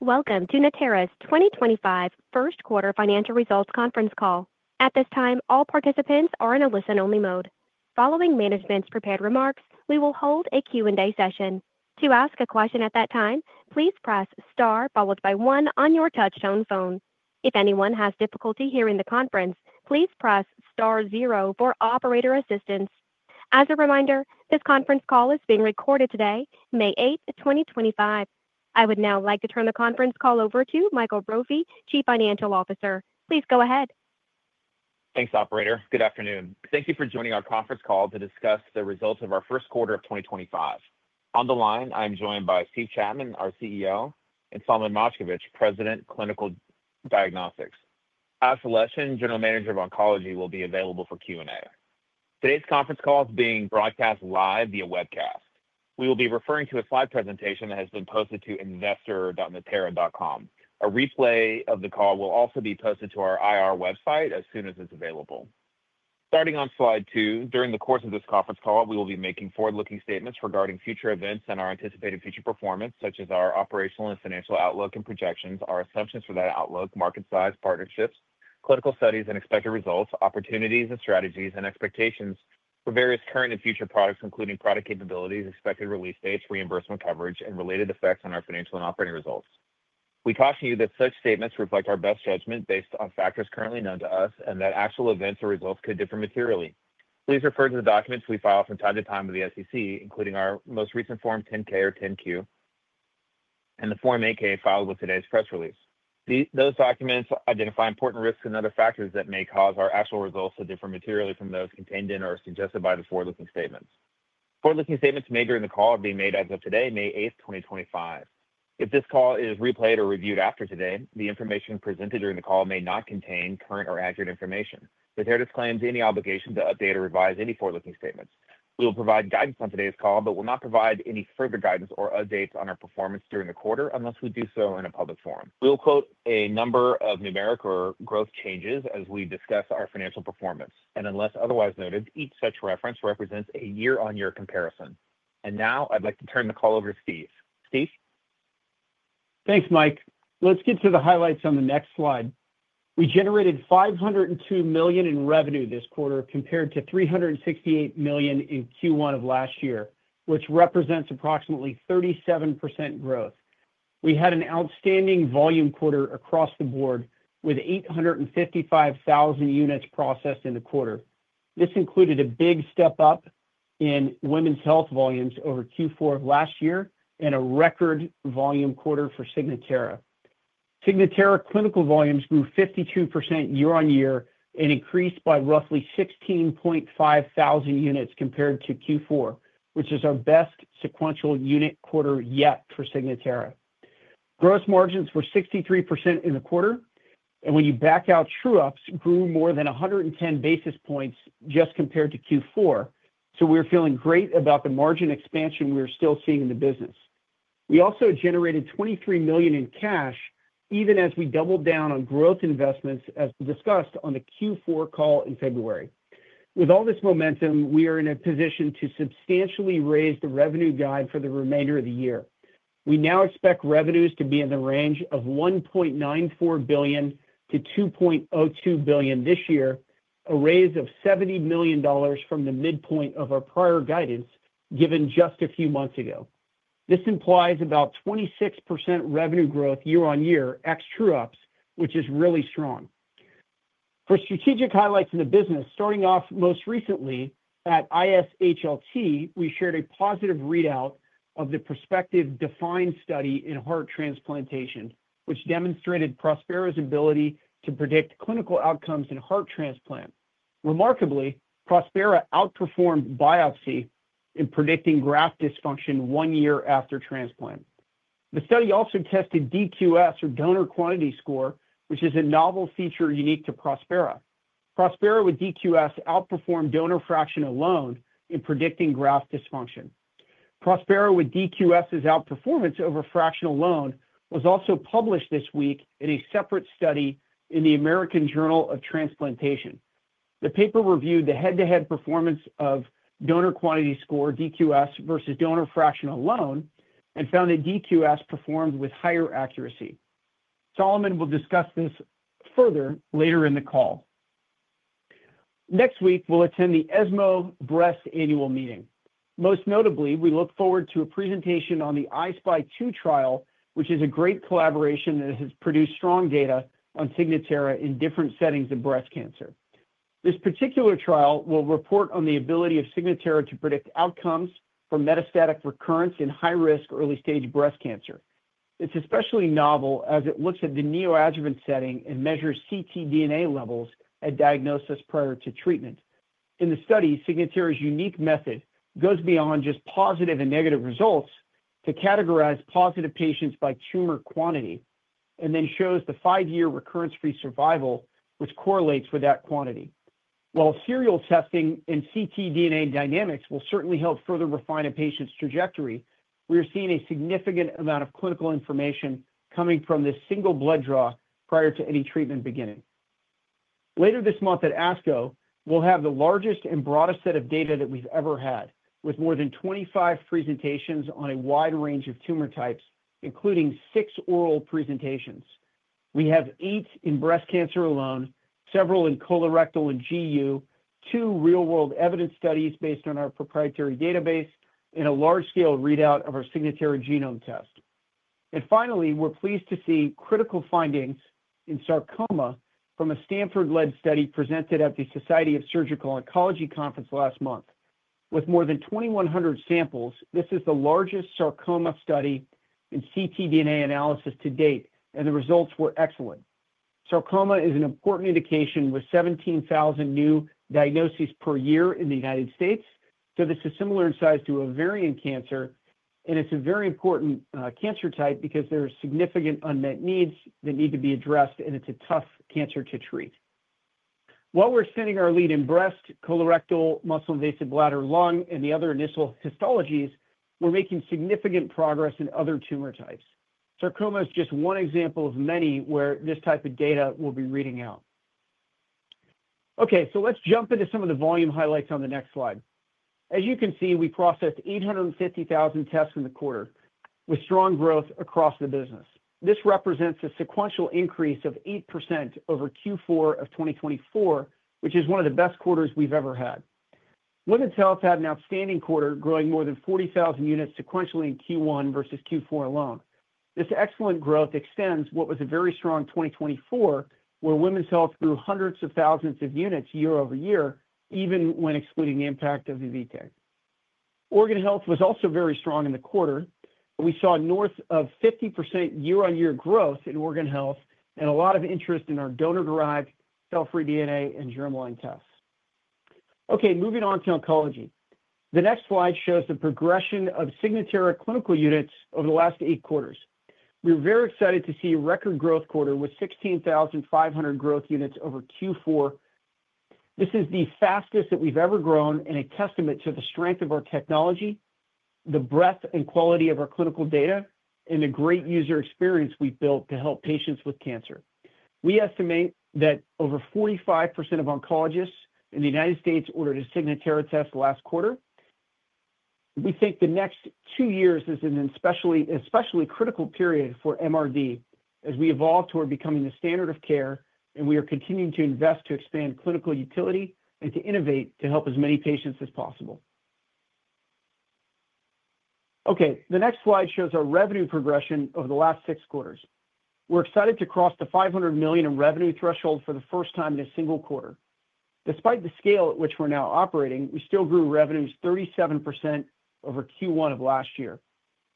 Welcome to Natera's 2025 First Quarter Financial Results Conference call. At this time, all participants are in a listen-only mode. Following management's prepared remarks, we will hold a Q&A session. To ask a question at that time, please press star followed by one on your touch-tone phone. If anyone has difficulty hearing the conference, please press star zero for operator assistance. As a reminder, this conference call is being recorded today, May 8th, 2025. I would now like to turn the conference call over to Michael Brophy, Chief Financial Officer. Please go ahead. Thanks, Operator. Good afternoon. Thank you for joining our conference call to discuss the results of our first quarter of 2025. On the line, I am joined by Steve Chapman, our CEO, and Solomon Moshkevich, President, Clinical Diagnostics. Alex Aleshin, General Manager of Oncology, will be available for Q&A. Today's conference call is being broadcast live via webcast. We will be referring to a slide presentation that has been posted to investor.natera.com. A replay of the call will also be posted to our IR website as soon as it's available. Starting on slide two, during the course of this conference call, we will be making forward-looking statements regarding future events and our anticipated future performance, such as our operational and financial outlook and projections, our assumptions for that outlook, market size, partnerships, clinical studies, and expected results, opportunities and strategies, and expectations for various current and future products, including product capabilities, expected release dates, reimbursement coverage, and related effects on our financial and operating results. We caution you that such statements reflect our best judgment based on factors currently known to us and that actual events or results could differ materially. Please refer to the documents we file from time to time with the SEC, including our most recent Form 10-K or 10-Q and the Form 8-K filed with today's press release. Those documents identify important risks and other factors that may cause our actual results to differ materially from those contained in or suggested by the forward-looking statements. Forward-looking statements made during the call are being made as of today, May 8th, 2025. If this call is replayed or reviewed after today, the information presented during the call may not contain current or accurate information. Natera disclaims any obligation to update or revise any forward-looking statements. We will provide guidance on today's call but will not provide any further guidance or updates on our performance during the quarter unless we do so in a public forum. We will quote a number of numeric or growth changes as we discuss our financial performance, and unless otherwise noted, each such reference represents a year-on-year comparison. And now I'd like to turn the call over to Steve. Steve? Thanks, Mike. Let's get to the highlights on the next slide. We generated $502 million in revenue this quarter compared to $368 million in Q1 of last year, which represents approximately 37% growth. We had an outstanding volume quarter across the board with 855,000 units processed in the quarter. This included a big step up in women's health volumes over Q4 of last year and a record volume quarter for Signatera. Signatera clinical volumes grew 52% year-on-year and increased by roughly 16,500 units compared to Q4, which is our best sequential unit quarter yet for Signatera. Gross margins were 63% in the quarter, and when you back out true-ups, grew more than 110 basis points just compared to Q4, so we're feeling great about the margin expansion we're still seeing in the business. We also generated $23 million in cash, even as we doubled down on growth investments, as discussed on the Q4 call in February. With all this momentum, we are in a position to substantially raise the revenue guide for the remainder of the year. We now expect revenues to be in the range of $1.94 billion-$2.02 billion this year, a raise of $70 million from the midpoint of our prior guidance given just a few months ago. This implies about 26% revenue growth year-on-year ex true-ups, which is really strong. For strategic highlights in the business, starting off most recently at ISHLT, we shared a positive readout of the prospective DEFINE study in heart transplantation, which demonstrated Prospera's ability to predict clinical outcomes in heart transplant. Remarkably, Prospera outperformed biopsy in predicting graft dysfunction one year after transplant. The study also tested DQS, or Donor Quantity Score, which is a novel feature unique to Prospera. Prospera with DQS outperformed donor fraction alone in predicting graft dysfunction. Prospera with DQS's outperformance over fraction alone was also published this week in a separate study in the American Journal of Transplantation. The paper reviewed the head-to-head performance of donor quantity score DQS versus donor fraction alone and found that DQS performed with higher accuracy. Solomon will discuss this further later in the call. Next week, we'll attend the ESMO Breast Annual Meeting. Most notably, we look forward to a presentation on the I-SPY 2 trial, which is a great collaboration that has produced strong data on Signatera in different settings of breast cancer. This particular trial will report on the ability of Signatera to predict outcomes for metastatic recurrence in high-risk early-stage breast cancer. It's especially novel as it looks at the neoadjuvant setting and measures ctDNA levels at diagnosis prior to treatment. In the study, Signatera's unique method goes beyond just positive and negative results to categorize positive patients by tumor quantity and then shows the five-year recurrence-free survival, which correlates with that quantity. While serial testing and ctDNA dynamics will certainly help further refine a patient's trajectory, we are seeing a significant amount of clinical information coming from this single blood draw prior to any treatment beginning. Later this month at ASCO, we'll have the largest and broadest set of data that we've ever had, with more than 25 presentations on a wide range of tumor types, including six oral presentations. We have eight in breast cancer alone, several in colorectal and GU, two real-world evidence studies based on our proprietary database, and a large-scale readout of our Signatera Genome test. Finally, we're pleased to see critical findings in sarcoma from a Stanford-led study presented at the Society of Surgical Oncology Conference last month. With more than 2,100 samples, this is the largest sarcoma study in ctDNA analysis to date, and the results were excellent. Sarcoma is an important indication with 17,000 new diagnoses per year in the United States. So this is similar in size to ovarian cancer, and it's a very important cancer type because there are significant unmet needs that need to be addressed, and it's a tough cancer to treat. While we're extending our lead in breast, colorectal, muscle-invasive bladder, lung, and the other initial histologies, we're making significant progress in other tumor types. Sarcoma is just one example of many where this type of data will be reading out. Okay, so let's jump into some of the volume highlights on the next slide. As you can see, we processed 850,000 tests in the quarter, with strong growth across the business. This represents a sequential increase of 8% over Q4 of 2024, which is one of the best quarters we've ever had. Women's Health had an outstanding quarter, growing more than 40,000 units sequentially in Q1 versus Q4 alone. This excellent growth extends what was a very strong 2024, where Women's Health grew hundreds of thousands of units year over year, even when excluding the impact of the Invitae. Organ Health was also very strong in the quarter. We saw north of 50% year-on-year growth in organ health and a lot of interest in our donor-derived, cell-free DNA, and germline tests. Okay, moving on to oncology. The next slide shows the progression of Signatera clinical units over the last eight quarters. We're very excited to see a record growth quarter with 16,500 growth units over Q4. This is the fastest that we've ever grown and a testament to the strength of our technology, the breadth and quality of our clinical data, and the great user experience we've built to help patients with cancer. We estimate that over 45% of oncologists in the United States ordered a Signatera test last quarter. We think the next two years is an especially critical period for MRD as we evolve toward becoming the standard of care, and we are continuing to invest to expand clinical utility and to innovate to help as many patients as possible. Okay, the next slide shows our revenue progression over the last six quarters. We're excited to cross the $500 million in revenue threshold for the first time in a single quarter. Despite the scale at which we're now operating, we still grew revenues 37% over Q1 of last year.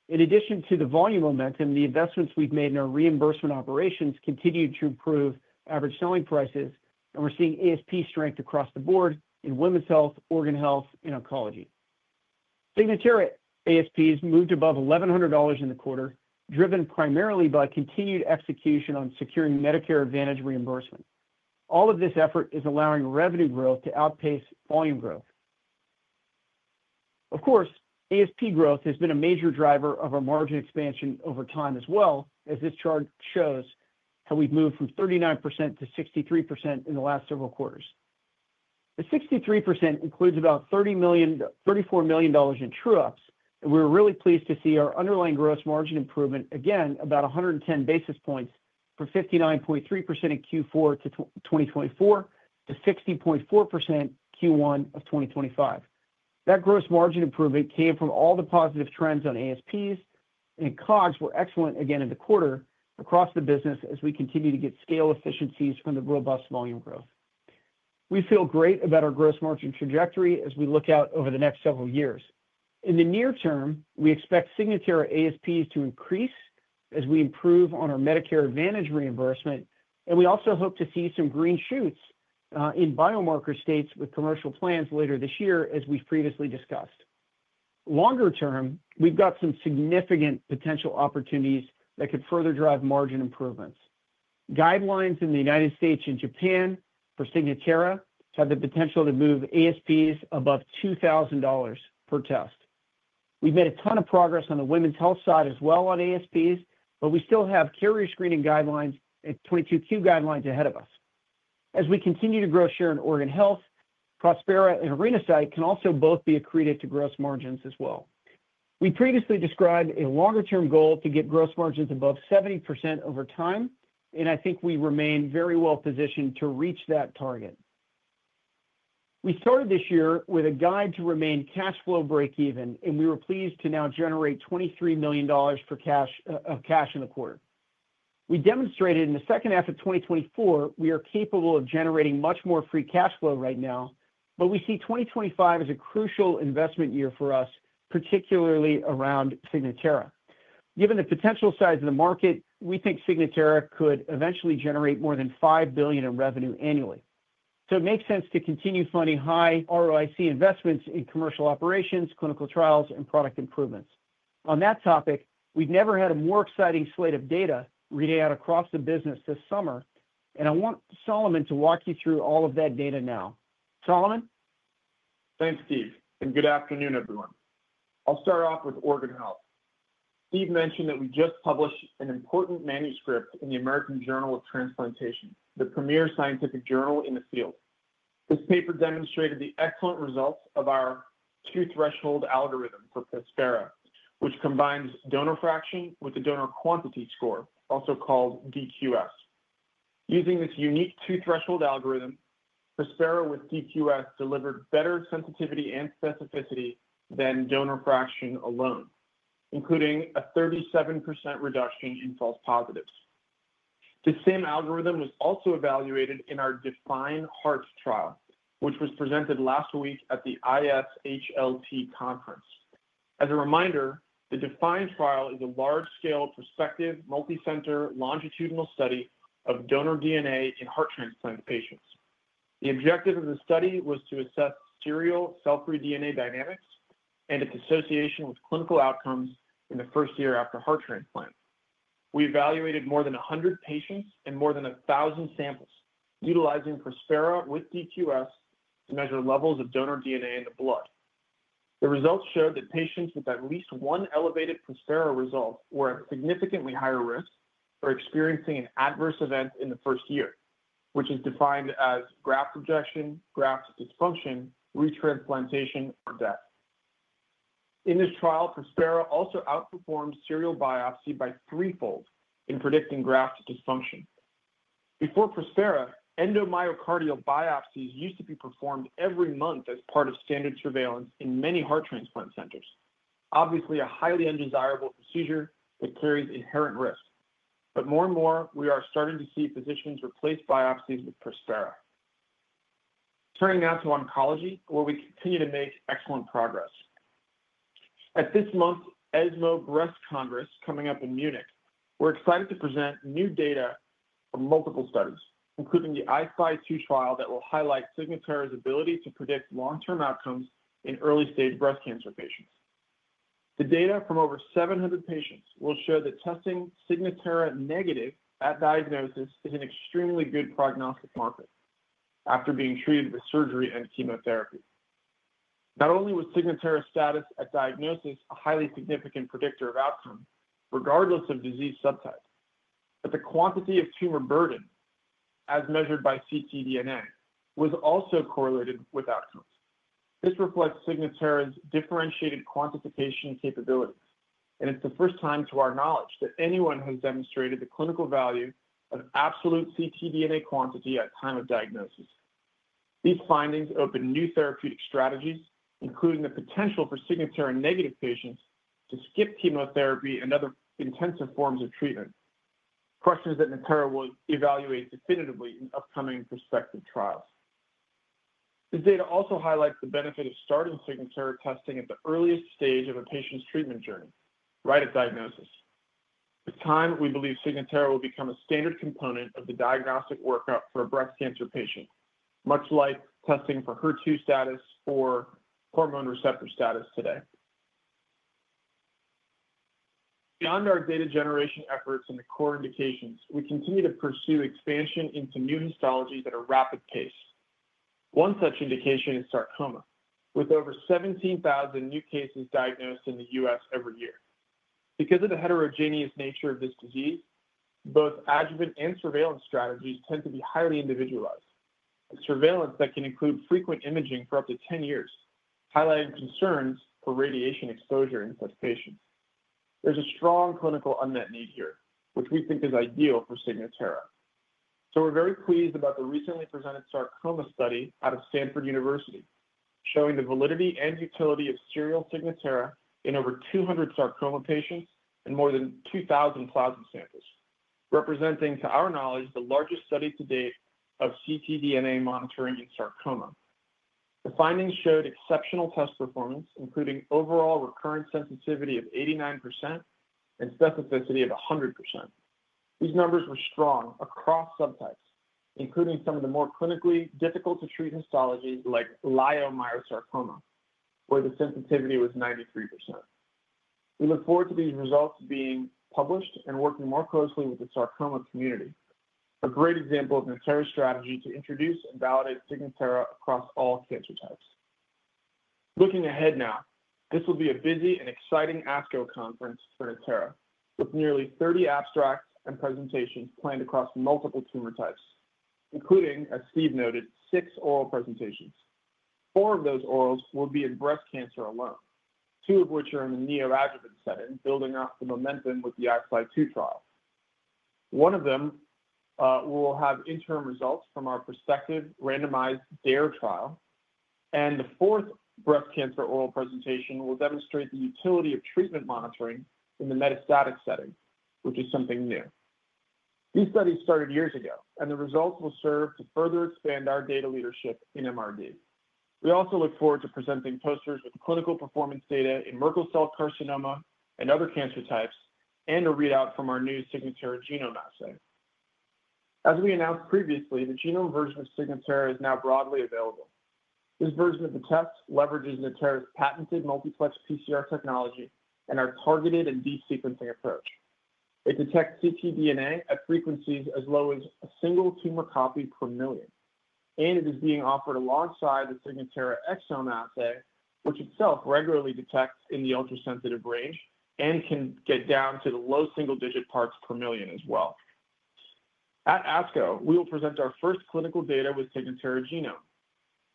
In addition to the volume momentum, the investments we've made in our reimbursement operations continue to improve average selling prices, and we're seeing ASP strength across the board in women's health, organ health, and oncology. Signatera ASPs moved above $1,100 in the quarter, driven primarily by continued execution on securing Medicare Advantage reimbursement. All of this effort is allowing revenue growth to outpace volume growth. Of course, ASP growth has been a major driver of our margin expansion over time, as well as this chart shows how we've moved from 39% to 63% in the last several quarters. The 63% includes about $34 million in true-ups, and we're really pleased to see our underlying gross margin improvement again about 110 basis points from 59.3% in Q4 2024 to 60.4% in Q1 of 2025. That gross margin improvement came from all the positive trends on ASPs, and COGS were excellent again in the quarter across the business as we continue to get scale efficiencies from the robust volume growth. We feel great about our gross margin trajectory as we look out over the next several years. In the near term, we expect Signatera ASPs to increase as we improve on our Medicare Advantage reimbursement, and we also hope to see some green shoots in biomarker states with commercial plans later this year, as we've previously discussed. Longer term, we've got some significant potential opportunities that could further drive margin improvements. Guidelines in the United States and Japan for Signatera have the potential to move ASPs above $2,000 per test. We've made a ton of progress on the women's health side as well on ASPs, but we still have carrier screening guidelines and 22q guidelines ahead of us. As we continue to grow share in organ health, Prospera and Renasight can also both be accretive to gross margins as well. We previously described a longer-term goal to get gross margins above 70% over time, and I think we remain very well positioned to reach that target. We started this year with a guide to remain cash flow breakeven, and we were pleased to now generate $23 million of cash in the quarter. We demonstrated in the second half of 2024 we are capable of generating much more free cash flow right now, but we see 2025 as a crucial investment year for us, particularly around Signatera. Given the potential size of the market, we think Signatera could eventually generate more than $5 billion in revenue annually. So it makes sense to continue funding high ROIC investments in commercial operations, clinical trials, and product improvements. On that topic, we've never had a more exciting slate of data read out across the business this summer, and I want Solomon to walk you through all of that data now. Solomon? Thanks, Steve, and good afternoon, everyone. I'll start off with organ health. Steve mentioned that we just published an important manuscript in the American Journal of Transplantation, the premier scientific journal in the field. This paper demonstrated the excellent results of our two-threshold algorithm for Prospera, which combines donor fraction with the donor quantity score, also called DQS. Using this unique two-threshold algorithm, Prospera with DQS delivered better sensitivity and specificity than donor fraction alone, including a 37% reduction in false positives. The same algorithm was also evaluated in our DEFINE-HEART trial, which was presented last week at the ISHLT conference. As a reminder, the DEFINE trial is a large-scale prospective multi-center longitudinal study of donor DNA in heart transplant patients. The objective of the study was to assess serial cell-free DNA dynamics and its association with clinical outcomes in the first year after heart transplant. We evaluated more than 100 patients and more than 1,000 samples, utilizing Prospera with DQS to measure levels of donor DNA in the blood. The results showed that patients with at least one elevated Prospera result were at significantly higher risk for experiencing an adverse event in the first year, which is defined as graft rejection, graft dysfunction, retransplantation, or death. In this trial, Prospera also outperformed serial biopsy by threefold in predicting graft dysfunction. Before Prospera, endomyocardial biopsies used to be performed every month as part of standard surveillance in many heart transplant centers. Obviously, a highly undesirable procedure that carries inherent risk. But more and more, we are starting to see physicians replace biopsies with Prospera. Turning now to oncology, where we continue to make excellent progress. At this month's ESMO Breast Congress coming up in Munich, we're excited to present new data from multiple studies, including the I-SPY 2 trial that will highlight Signatera's ability to predict long-term outcomes in early-stage breast cancer patients. The data from over 700 patients will show that testing Signatera negative at diagnosis is an extremely good prognostic marker after being treated with surgery and chemotherapy. Not only was Signatera's status at diagnosis a highly significant predictor of outcome, regardless of disease subtype, but the quantity of tumor burden, as measured by ctDNA, was also correlated with outcomes. This reflects Signatera's differentiated quantification capabilities, and it's the first time to our knowledge that anyone has demonstrated the clinical value of absolute ctDNA quantity at the time of diagnosis. These findings open new therapeutic strategies, including the potential for Signatera negative patients to skip chemotherapy and other intensive forms of treatment. Questions that Natera will evaluate definitively in upcoming prospective trials. This data also highlights the benefit of starting Signatera testing at the earliest stage of a patient's treatment journey, right at diagnosis. With time, we believe Signatera will become a standard component of the diagnostic workup for a breast cancer patient, much like testing for HER2 status or hormone receptor status today. Beyond our data generation efforts and the core indications, we continue to pursue expansion into new histologies at a rapid pace. One such indication is sarcoma, with over 17,000 new cases diagnosed in the U.S. every year. Because of the heterogeneous nature of this disease, both adjuvant and surveillance strategies tend to be highly individualized, with surveillance that can include frequent imaging for up to 10 years, highlighting concerns for radiation exposure in such patients. There's a strong clinical unmet need here, which we think is ideal for Signatera. So we're very pleased about the recently presented sarcoma study out of Stanford University, showing the validity and utility of serial Signatera in over 200 sarcoma patients and more than 2,000 plasma samples, representing, to our knowledge, the largest study to date of ctDNA monitoring in sarcoma. The findings showed exceptional test performance, including overall recurrent sensitivity of 89% and specificity of 100%. These numbers were strong across subtypes, including some of the more clinically difficult-to-treat histologies like leiomyosarcoma, where the sensitivity was 93%. We look forward to these results being published and working more closely with the sarcoma community, a great example of Natera's strategy to introduce and validate Signatera across all cancer types. Looking ahead now, this will be a busy and exciting ASCO conference for Natera, with nearly 30 abstracts and presentations planned across multiple tumor types, including, as Steve noted, six oral presentations. Four of those orals will be in breast cancer alone, two of which are in the neoadjuvant setting, building up the momentum with the I-SPY 2 trial. One of them will have interim results from our prospective randomized DARE trial, and the fourth breast cancer oral presentation will demonstrate the utility of treatment monitoring in the metastatic setting, which is something new. These studies started years ago, and the results will serve to further expand our data leadership in MRD. We also look forward to presenting posters with clinical performance data in Merkel cell carcinoma and other cancer types and a readout from our new Signatera Genome assay. As we announced previously, the genome version of Signatera is now broadly available. This version of the test leverages Natera's patented multiplex PCR technology and our targeted and deep sequencing approach. It detects ctDNA at frequencies as low as a single tumor copy per million, and it is being offered alongside the Signatera Exome assay, which itself regularly detects in the ultra-sensitive range and can get down to the low single-digit parts per million as well. At ASCO, we will present our first clinical data with Signatera Genome,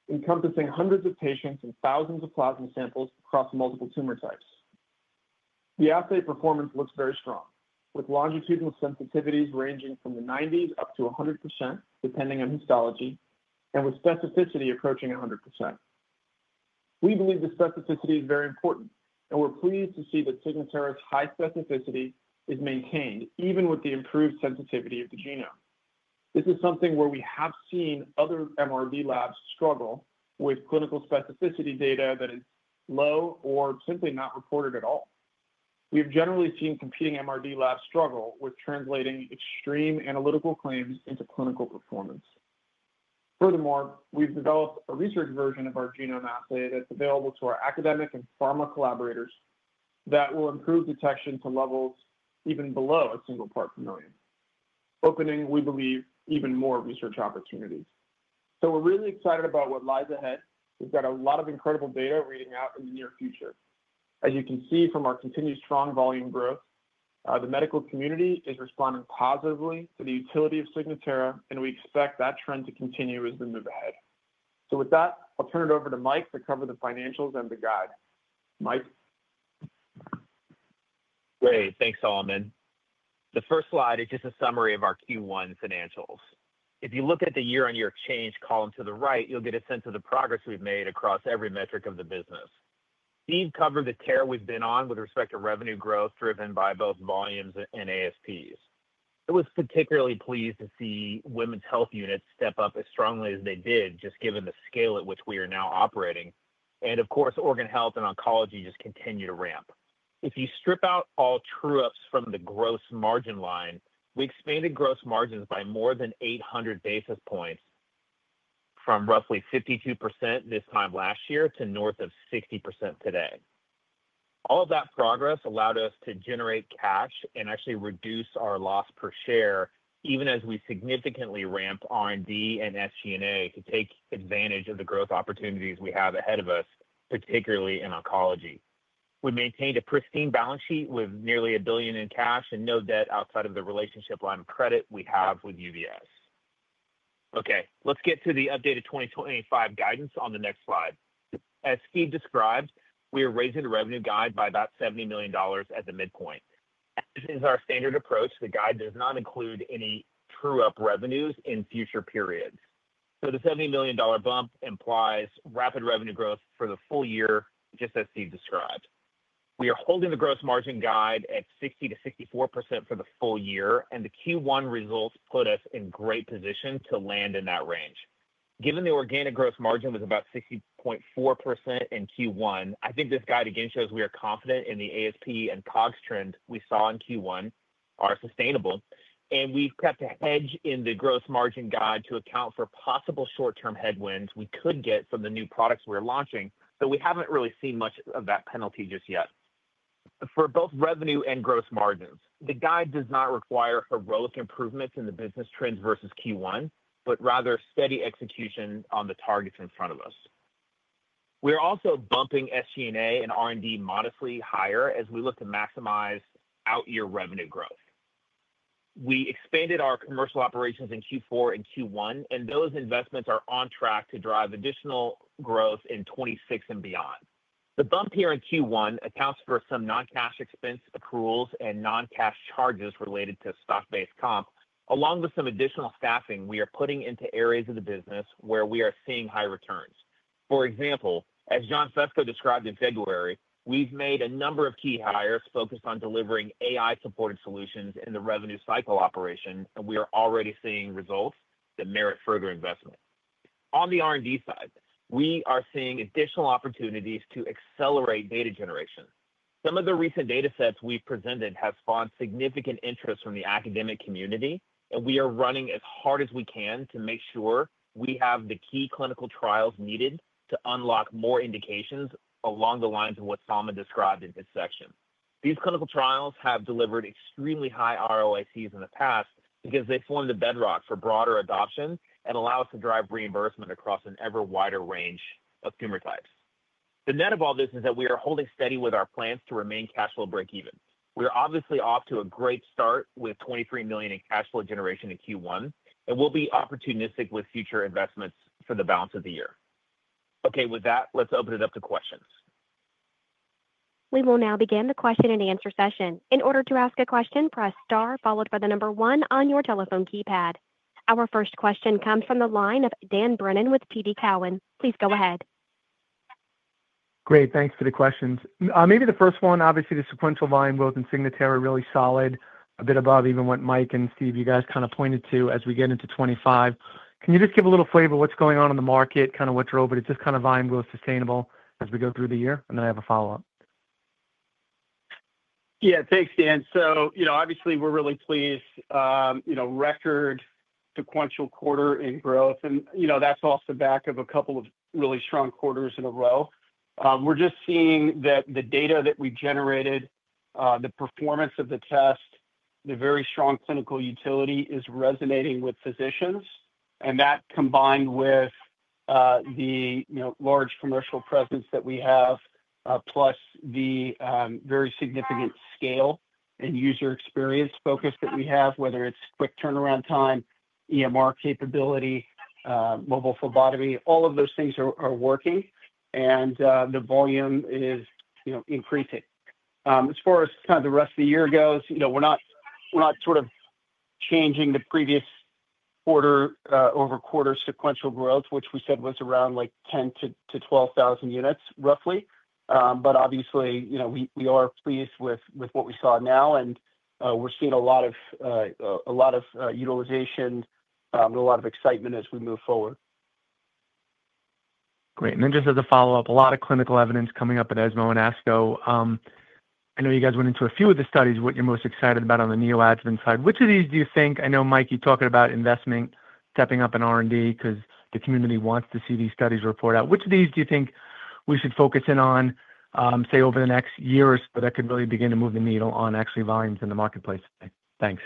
encompassing hundreds of patients and thousands of plasma samples across multiple tumor types. The assay performance looks very strong, with longitudinal sensitivities ranging from the 90s-100%, depending on histology, and with specificity approaching 100%. We believe the specificity is very important, and we're pleased to see that Signatera's high specificity is maintained even with the improved sensitivity of the genome. This is something where we have seen other MRD labs struggle with clinical specificity data that is low or simply not reported at all. We have generally seen competing MRD labs struggle with translating extreme analytical claims into clinical performance. Furthermore, we've developed a research version of our genome assay that's available to our academic and pharma collaborators that will improve detection to levels even below a single part per million, opening, we believe, even more research opportunities. So we're really excited about what lies ahead. We've got a lot of incredible data reading out in the near future. As you can see from our continued strong volume growth, the medical community is responding positively to the utility of Signatera, and we expect that trend to continue as we move ahead. So with that, I'll turn it over to Mike to cover the financials and the guide. Mike. Great. Thanks, Solomon. The first slide is just a summary of our Q1 financials. If you look at the year-on-year change column to the right, you'll get a sense of the progress we've made across every metric of the business. Steve covered the trajectory we've been on with respect to revenue growth driven by both volumes and ASPs. I was particularly pleased to see women's health units step up as strongly as they did, just given the scale at which we are now operating. And of course, organ health and oncology just continue to ramp. If you strip out all true-ups from the gross margin line, we expanded gross margins by more than 800 basis points from roughly 52% this time last year to north of 60% today. All of that progress allowed us to generate cash and actually reduce our loss per share, even as we significantly ramp R&D and SG&A to take advantage of the growth opportunities we have ahead of us, particularly in oncology. We maintained a pristine balance sheet with nearly $1 billion in cash and no debt outside of the relationship line of credit we have with UBS. Okay, let's get to the updated 2025 guidance on the next slide. As Steve described, we are raising the revenue guide by about $70 million at the midpoint. This is our standard approach. The guide does not include any true-up revenues in future periods. So the $70 million bump implies rapid revenue growth for the full year, just as Steve described. We are holding the gross margin guide at 60%-64% for the full year, and the Q1 results put us in great position to land in that range. Given the organic gross margin was about 60.4% in Q1, I think this guide again shows we are confident in the ASP and COGS trend we saw in Q1 are sustainable, and we've kept a hedge in the gross margin guide to account for possible short-term headwinds we could get from the new products we're launching, but we haven't really seen much of that penalty just yet. For both revenue and gross margins, the guide does not require heroic improvements in the business trends versus Q1, but rather steady execution on the targets in front of us. We are also bumping SG&A and R&D modestly higher as we look to maximize out-year revenue growth. We expanded our commercial operations in Q4 and Q1, and those investments are on track to drive additional growth in 2026 and beyond. The bump here in Q1 accounts for some non-cash expense accruals and non-cash charges related to stock-based comp, along with some additional staffing we are putting into areas of the business where we are seeing high returns. For example, as John Fesko described in February, we've made a number of key hires focused on delivering AI-supported solutions in the revenue cycle operation, and we are already seeing results that merit further investment. On the R&D side, we are seeing additional opportunities to accelerate data generation. Some of the recent data sets we've presented have spawned significant interest from the academic community, and we are running as hard as we can to make sure we have the key clinical trials needed to unlock more indications along the lines of what Solomon described in this section. These clinical trials have delivered extremely high ROICs in the past because they form the bedrock for broader adoption and allow us to drive reimbursement across an ever wider range of tumor types. The net of all this is that we are holding steady with our plans to remain cash flow break-even. We are obviously off to a great start with $23 million in cash flow generation in Q1, and we'll be opportunistic with future investments for the balance of the year. Okay, with that, let's open it up to questions. We will now begin the question-and-answer session. In order to ask a question, press star followed by the number one on your telephone keypad. Our first question comes from the line of Dan Brennan with TD Cowen. Please go ahead. Great. Thanks for the questions. Maybe the first one, obviously the sequential volume growth in Signatera is really solid, a bit above even what Mike and Steve, you guys kind of pointed to as we get into 2025. Can you just give a little flavor of what's going on in the market, kind of what drove it, just kind of volume growth sustainable as we go through the year? And then I have a follow-up. Yeah, thanks, Dan. So obviously we're really pleased. Record sequential quarter in growth, and that's off the back of a couple of really strong quarters in a row. We're just seeing that the data that we generated, the performance of the test, the very strong clinical utility is resonating with physicians, and that combined with the large commercial presence that we have, plus the very significant scale and user experience focus that we have, whether it's quick turnaround time, EMR capability, mobile phlebotomy, all of those things are working, and the volume is increasing. As far as kind of the rest of the year goes, we're not sort of changing the previous quarter over quarter sequential growth, which we said was around like 10,000-12,000 units roughly. But obviously, we are pleased with what we saw now, and we're seeing a lot of utilization and a lot of excitement as we move forward. Great. And then just as a follow-up, a lot of clinical evidence coming up at ESMO and ASCO. I know you guys went into a few of the studies what you're most excited about on the neoadjuvant side. Which of these do you think, I know, Mike, you're talking about investment, stepping up in R&D because the community wants to see these studies report out. Which of these do you think we should focus in on, say, over the next year or so that could really begin to move the needle on actually volumes in the marketplace? Thanks.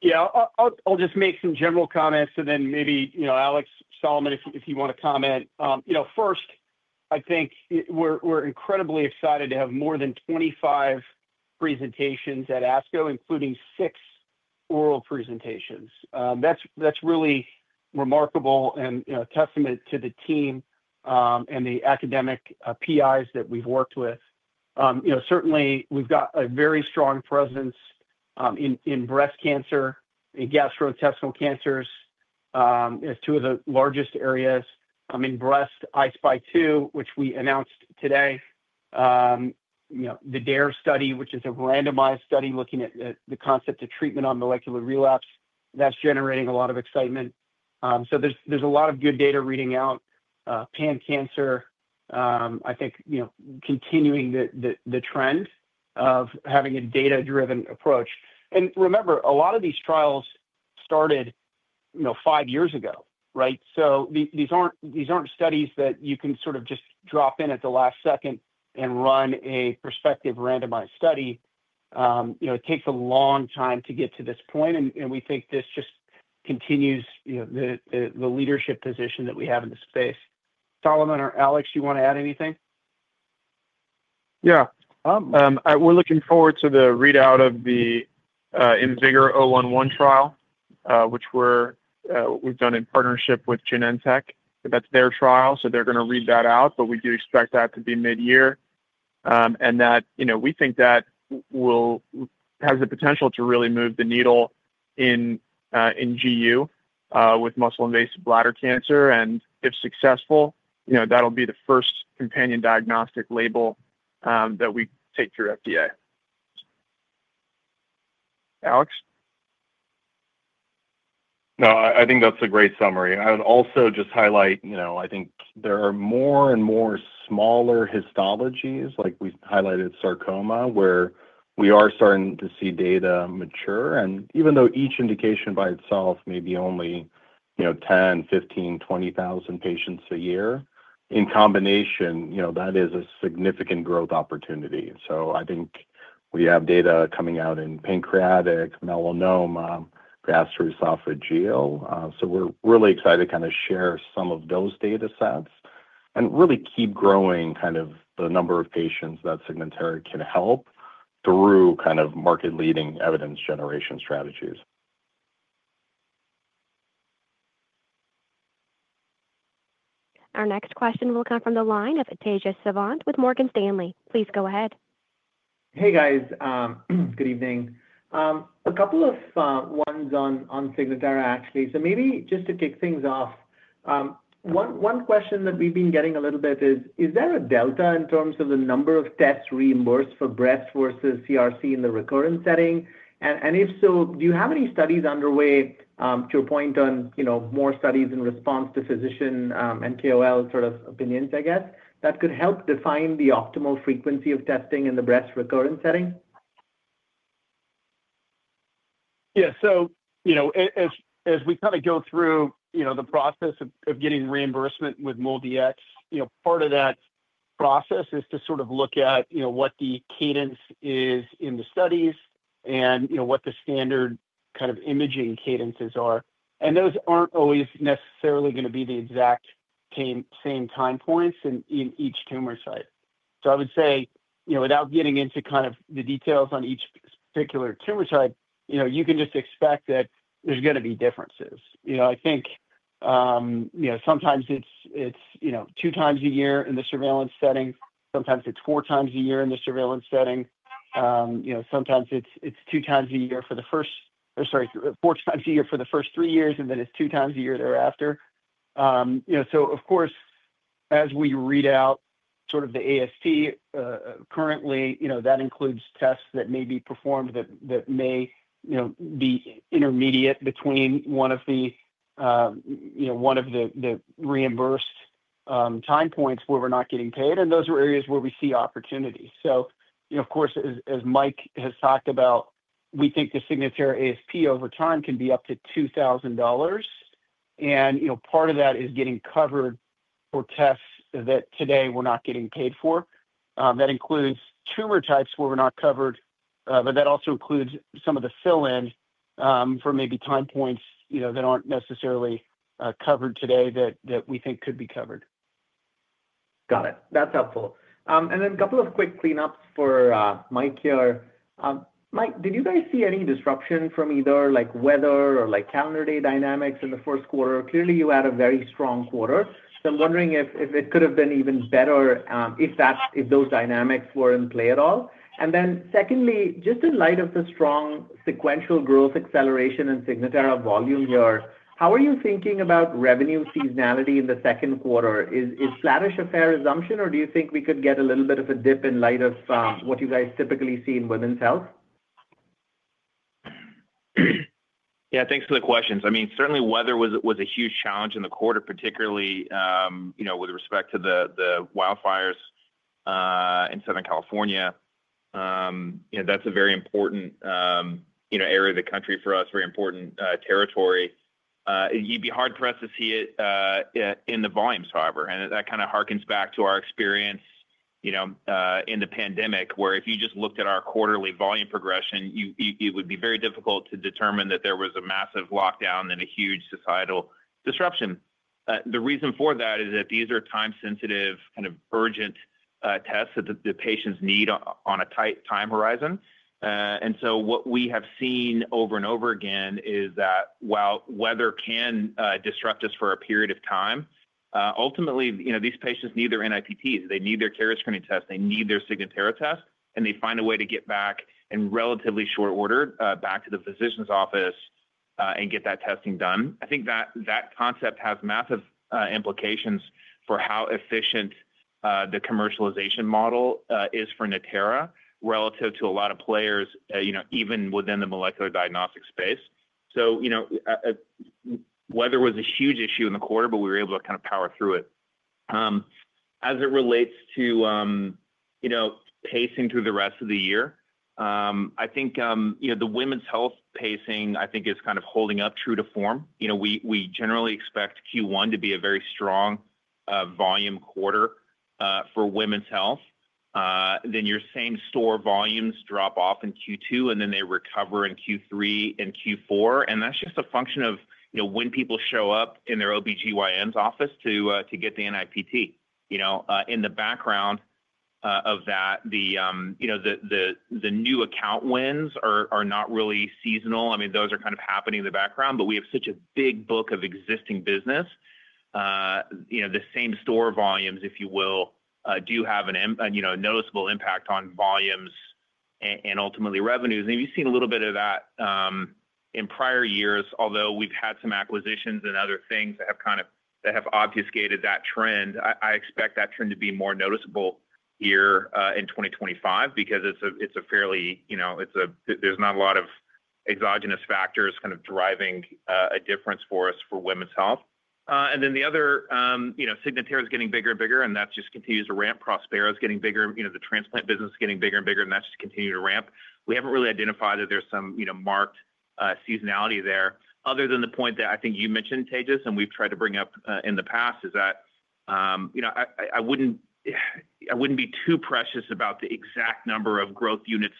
Yeah, I'll just make some general comments, and then maybe Alex, Solomon, if you want to comment. First, I think we're incredibly excited to have more than 25 presentations at ASCO, including six oral presentations. That's really remarkable and a testament to the team and the academic PIs that we've worked with. Certainly, we've got a very strong presence in breast cancer and gastrointestinal cancers as two of the largest areas. I mean, breast, I-SPY 2, which we announced today, the DARE study, which is a randomized study looking at the concept of treatment on molecular relapse, that's generating a lot of excitement. So there's a lot of good data reading out. Pan cancer, I think continuing the trend of having a data-driven approach. And remember, a lot of these trials started five years ago, right? So these aren't studies that you can sort of just drop in at the last second and run a prospective randomized study. It takes a long time to get to this point, and we think this just continues the leadership position that we have in this space. Solomon or Alex, do you want to add anything? Yeah. We're looking forward to the readout of the IMvigor011 trial, which we've done in partnership with Genentech. That's their trial, so they're going to read that out, but we do expect that to be mid-year. And we think that has the potential to really move the needle in GU with muscle-invasive bladder cancer, and if successful, that'll be the first companion diagnostic label that we take through FDA. Alex? No, I think that's a great summary. I would also just highlight, I think there are more and more smaller histologies, like we highlighted sarcoma, where we are starting to see data mature. And even though each indication by itself may be only 10,000, 15,000, 20,000 patients a year, in combination, that is a significant growth opportunity. So I think we have data coming out in pancreatic, melanoma, gastroesophageal. So we're really excited to kind of share some of those data sets and really keep growing kind of the number of patients that Signatera can help through kind of market-leading evidence generation strategies. Our next question will come from the line of Tejas Savant with Morgan Stanley. Please go ahead. Hey, guys. Good evening. A couple of questions on Signatera, actually. So maybe just to kick things off, one question that we've been getting a little bit is, is there a delta in terms of the number of tests reimbursed for breast versus CRC in the recurrent setting? And if so, do you have any studies underway to your point on more studies in response to physician and KOL sort of opinions, I guess, that could help define the optimal frequency of testing in the breast recurrent setting? Yeah. So as we kind of go through the process of getting reimbursement with MolDX, part of that process is to sort of look at what the cadence is in the studies and what the standard kind of imaging cadences are. And those aren't always necessarily going to be the exact same time points in each tumor site. So I would say, without getting into kind of the details on each particular tumor site, you can just expect that there's going to be differences. I think sometimes it's two times a year in the surveillance setting. Sometimes it's four times a year in the surveillance setting. Sometimes it's two times a year for the first or sorry, four times a year for the first three years, and then it's two times a year thereafter. So of course, as we read out sort of the ASP currently, that includes tests that may be performed that may be intermediate between one of the reimbursed time points where we're not getting paid, and those are areas where we see opportunity. So of course, as Mike has talked about, we think the Signatera ASP over time can be up to $2,000. And part of that is getting covered for tests that today we're not getting paid for. That includes tumor types where we're not covered, but that also includes some of the fill-in for maybe time points that aren't necessarily covered today that we think could be covered. Got it. That's helpful. And then a couple of quick cleanups for Mike here. Mike, did you guys see any disruption from either weather or calendar day dynamics in the first quarter? Clearly, you had a very strong quarter. So I'm wondering if it could have been even better if those dynamics were in play at all. And then secondly, just in light of the strong sequential growth acceleration and Signatera volume here, how are you thinking about revenue seasonality in the second quarter? Is flattish a fair assumption, or do you think we could get a little bit of a dip in light of what you guys typically see in women's health? Yeah, thanks for the questions. I mean, certainly weather was a huge challenge in the quarter, particularly with respect to the wildfires in Southern California. That's a very important area of the country for us, very important territory. You'd be hard-pressed to see it in the volumes, however, and that kind of harkens back to our experience in the pandemic, where if you just looked at our quarterly volume progression, it would be very difficult to determine that there was a massive lockdown and a huge societal disruption. The reason for that is that these are time-sensitive, kind of urgent tests that the patients need on a tight time horizon, and so what we have seen over and over again is that while weather can disrupt us for a period of time, ultimately, these patients need their NIPTs. They need their carrier screening test. They need their Signatera test. They find a way to get back in relatively short order back to the physician's office and get that testing done. I think that concept has massive implications for how efficient the commercialization model is for Natera relative to a lot of players, even within the molecular diagnostic space. Weather was a huge issue in the quarter, but we were able to kind of power through it. As it relates to pacing through the rest of the year, I think the women's health pacing, I think, is kind of holding up true to form. We generally expect Q1 to be a very strong volume quarter for women's health. Then your same store volumes drop off in Q2, and then they recover in Q3 and Q4. That's just a function of when people show up in their OB-GYN's office to get the NIPT. In the background of that, the new account wins are not really seasonal. I mean, those are kind of happening in the background, but we have such a big book of existing business. The same store volumes, if you will, do have a noticeable impact on volumes and ultimately revenues. And we've seen a little bit of that in prior years, although we've had some acquisitions and other things that have kind of obfuscated that trend. I expect that trend to be more noticeable here in 2025 because it's a fairly there's not a lot of exogenous factors kind of driving a difference for us for women's health. And then the other Signatera is getting bigger and bigger, and that just continues to ramp. Prospera is getting bigger. The transplant business is getting bigger and bigger, and that's just continuing to ramp. We haven't really identified that there's some marked seasonality there. Other than the point that I think you mentioned, Tejas, and we've tried to bring up in the past is that I wouldn't be too precious about the exact number of growth units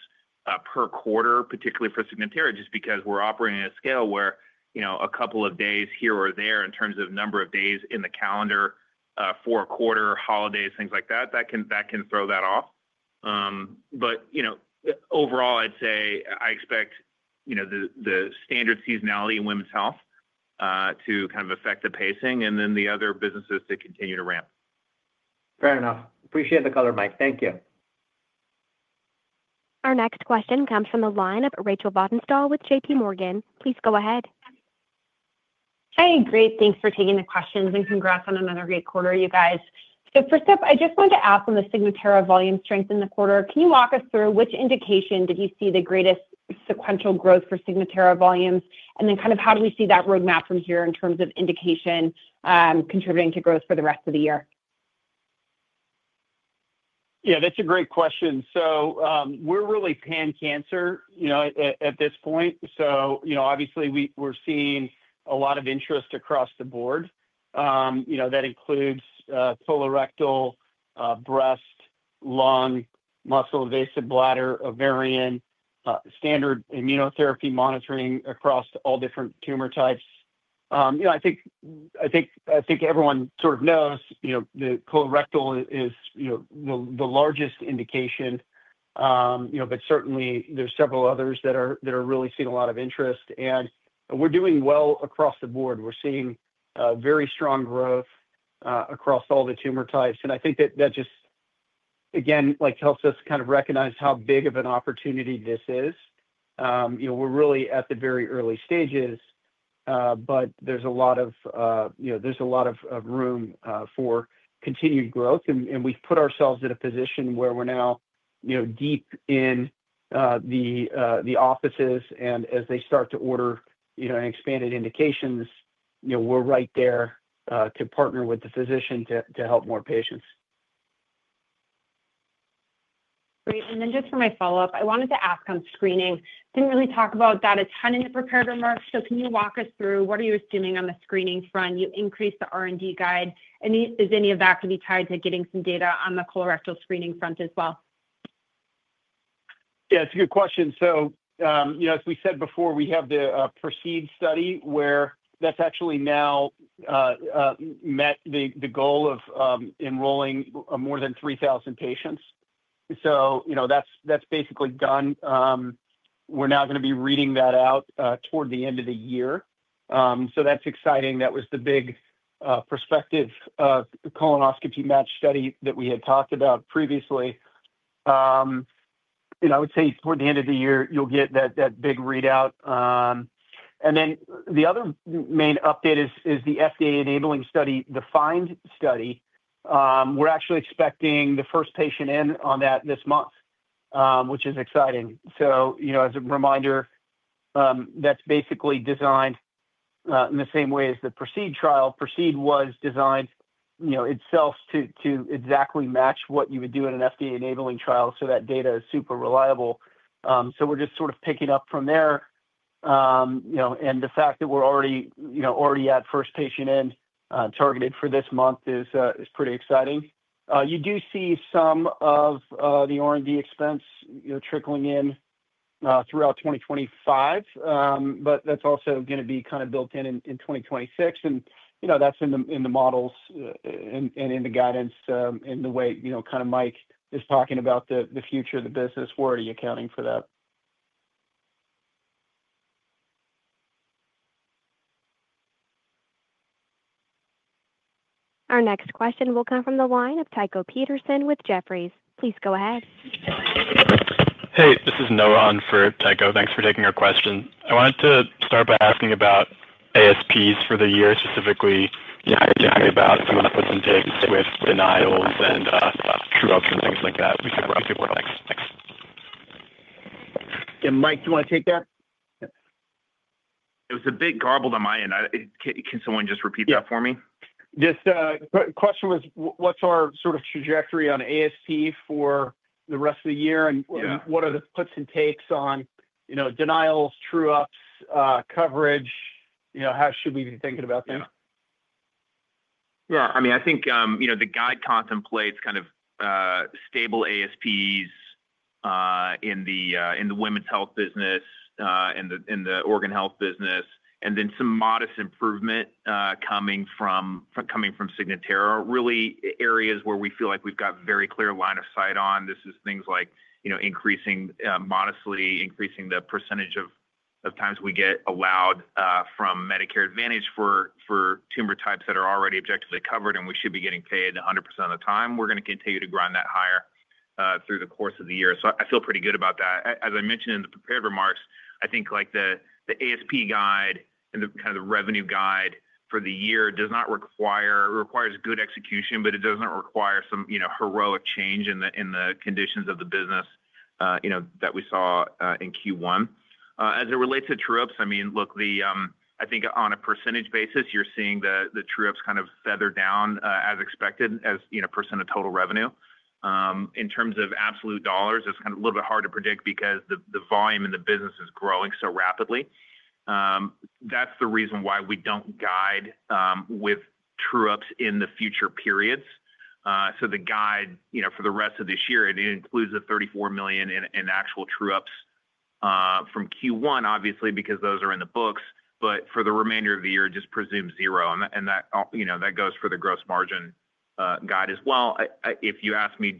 per quarter, particularly for Signatera, just because we're operating at a scale where a couple of days here or there in terms of number of days in the calendar for a quarter, holidays, things like that, that can throw that off. But overall, I'd say I expect the standard seasonality in women's health to kind of affect the pacing, and then the other businesses to continue to ramp. Fair enough. Appreciate the color, Mike. Thank you. Our next question comes from the line of Rachel Vatnsdal with JPMorgan. Please go ahead. Hi. Great. Thanks for taking the questions, and congrats on another great quarter, you guys. So first up, I just wanted to ask on the Signatera volume strength in the quarter, can you walk us through which indication did you see the greatest sequential growth for Signatera volumes, and then kind of how do we see that roadmap from here in terms of indication contributing to growth for the rest of the year? Yeah, that's a great question. So we're really pan-cancer at this point. So obviously, we're seeing a lot of interest across the board. That includes colorectal, breast, lung, muscle-invasive bladder, ovarian, standard immunotherapy monitoring across all different tumor types. I think everyone sort of knows that colorectal is the largest indication, but certainly, there's several others that are really seeing a lot of interest. And we're doing well across the board. We're seeing very strong growth across all the tumor types. And I think that just, again, helps us kind of recognize how big of an opportunity this is. We're really at the very early stages, but there's a lot of room for continued growth. We've put ourselves in a position where we're now deep in the offices, and as they start to order and expanded indications, we're right there to partner with the physician to help more patients. Great. And then just for my follow-up, I wanted to ask on screening. Didn't really talk about that a ton in the prepared remarks. So can you walk us through what are you assuming on the screening front? You increased the R&D guide. Is any of that going to be tied to getting some data on the colorectal screening front as well? Yeah, it's a good question. So as we said before, we have the PRESERVE study where that's actually now met the goal of enrolling more than 3,000 patients. So that's basically done. We're now going to be reading that out toward the end of the year. So that's exciting. That was the big prospective colonoscopy-matched study that we had talked about previously. And I would say toward the end of the year, you'll get that big readout. And then the other main update is the FDA-enabling study, the FIND study. We're actually expecting the first patient in on that this month, which is exciting. So as a reminder, that's basically designed in the same way as the PRESERVE trial. PRESERVE was designed itself to exactly match what you would do in an FDA-enabling trial so that data is super reliable. So we're just sort of picking up from there. And the fact that we're already at first patient in targeted for this month is pretty exciting. You do see some of the R&D expense trickling in throughout 2025, but that's also going to be kind of built in in 2026. And that's in the models and in the guidance in the way kind of Mike is talking about the future of the business. We're already accounting for that. Our next question will come from the line of Tycho Peterson with Jefferies. Please go ahead. Hey, this is Noah on for, Tycho. Thanks for taking our question. I wanted to start by asking about ASPs for the year, specifically talking about some of the puts and takes with denials and true-ups and things like that. We could work next. Yeah, Mike, do you want to take that? It was a big garbled on my end. Can someone just repeat that for me? Yes. The question was, what's our sort of trajectory on ASP for the rest of the year? And what are the puts and takes on denials, true-ups, coverage? How should we be thinking about things? Yeah. I mean, I think the guide contemplates kind of stable ASPs in the women's health business and the organ health business, and then some modest improvement coming from Signatera. Really areas where we feel like we've got a very clear line of sight on. This is things like increasing modestly, increasing the percentage of times we get allowed from Medicare Advantage for tumor types that are already objectively covered, and we should be getting paid 100% of the time. We're going to continue to grind that higher through the course of the year. So I feel pretty good about that. As I mentioned in the prepared remarks, I think the ASP guide and kind of the revenue guide for the year does not require, it requires good execution, but it doesn't require some heroic change in the conditions of the business that we saw in Q1. As it relates to true-ups, I mean, look, I think on a percentage basis, you're seeing the true-ups kind of feather down as expected as % of total revenue. In terms of absolute dollars, it's kind of a little bit hard to predict because the volume and the business is growing so rapidly. That's the reason why we don't guide with true-ups in the future periods. So the guide for the rest of this year, it includes the $34 million in actual true-ups from Q1, obviously, because those are in the books. But for the remainder of the year, just presume zero. And that goes for the gross margin guide as well. If you ask me,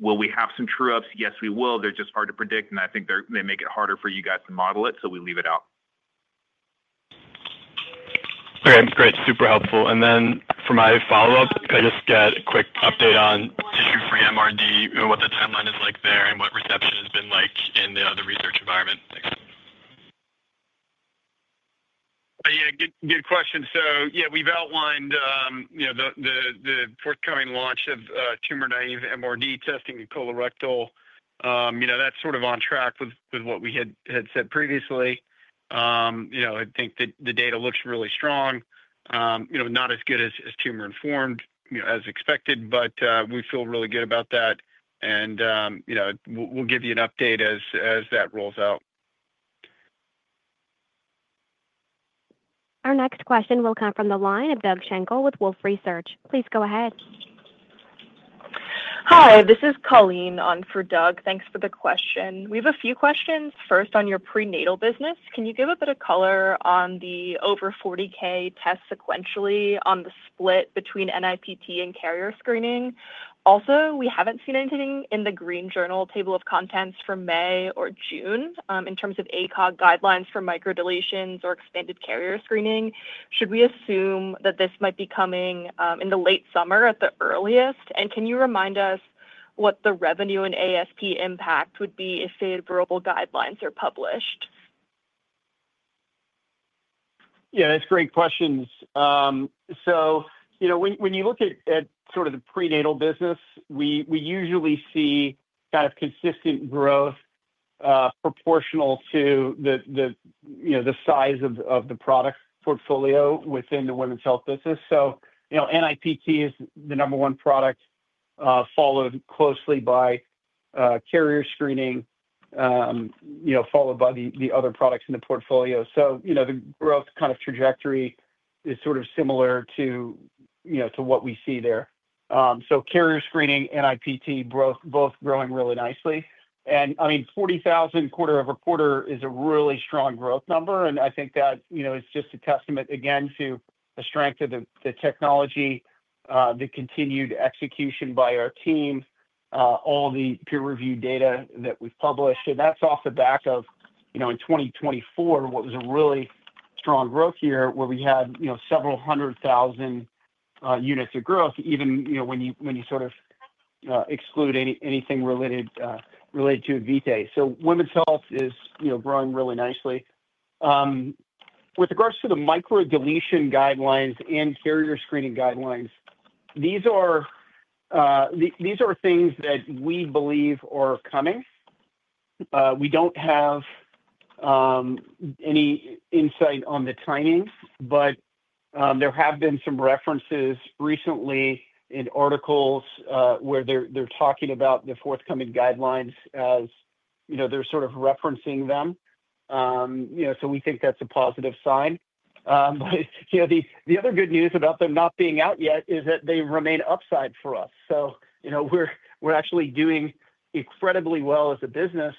will we have some true-ups? Yes, we will. They're just hard to predict. And I think they make it harder for you guys to model it, so we leave it out. Okay. Great. Super helpful. And then for my follow-up, can I just get a quick update on tissue-free MRD and what the timeline is like there and what reception has been like in the research environment? Yeah, good question. So yeah, we've outlined the forthcoming launch of tumor-naive MRD testing in colorectal. That's sort of on track with what we had said previously. I think the data looks really strong, not as good as tumor-informed as expected, but we feel really good about that. And we'll give you an update as that rolls out. Our next question will come from the line of Doug Schenkel with Wolfe Research. Please go ahead. Hi, this is Colleen on for, Doug. Thanks for the question. We have a few questions. First, on your prenatal business, can you give a bit of color on the over 40K test sequentially on the split between NIPT and carrier screening? Also, we haven't seen anything in the Green Journal table of contents for May or June in terms of ACOG guidelines for microdeletions or expanded carrier screening. Should we assume that this might be coming in the late summer at the earliest? And can you remind us what the revenue and ASP impact would be if favorable guidelines are published? Yeah, that's great questions. So when you look at sort of the prenatal business, we usually see kind of consistent growth proportional to the size of the product portfolio within the women's health business. So NIPT is the number one product, followed closely by carrier screening, followed by the other products in the portfolio. So the growth kind of trajectory is sort of similar to what we see there. So carrier screening, NIPT, both growing really nicely. And I mean, 40,000 quarter over quarter is a really strong growth number. And I think that is just a testament, again, to the strength of the technology, the continued execution by our team, all the peer-reviewed data that we've published. And that's off the back of, in 2024, what was a really strong growth year where we had several hundred thousand units of growth, even when you sort of exclude anything related to Invitae. So women's health is growing really nicely. With regards to the microdeletion guidelines and carrier screening guidelines, these are things that we believe are coming. We don't have any insight on the timing, but there have been some references recently in articles where they're talking about the forthcoming guidelines as they're sort of referencing them. So we think that's a positive sign. But the other good news about them not being out yet is that they remain upside for us. So we're actually doing incredibly well as a business,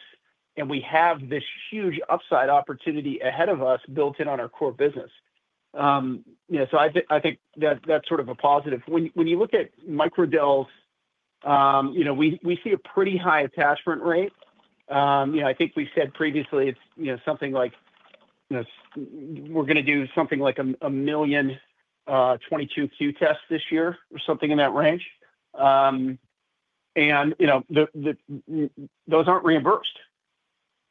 and we have this huge upside opportunity ahead of us built in on our core business. So I think that's sort of a positive. When you look at microdeletions, we see a pretty high attachment rate. I think we said previously it's something like we're going to do something like a million 22q tests this year or something in that range. And those aren't reimbursed,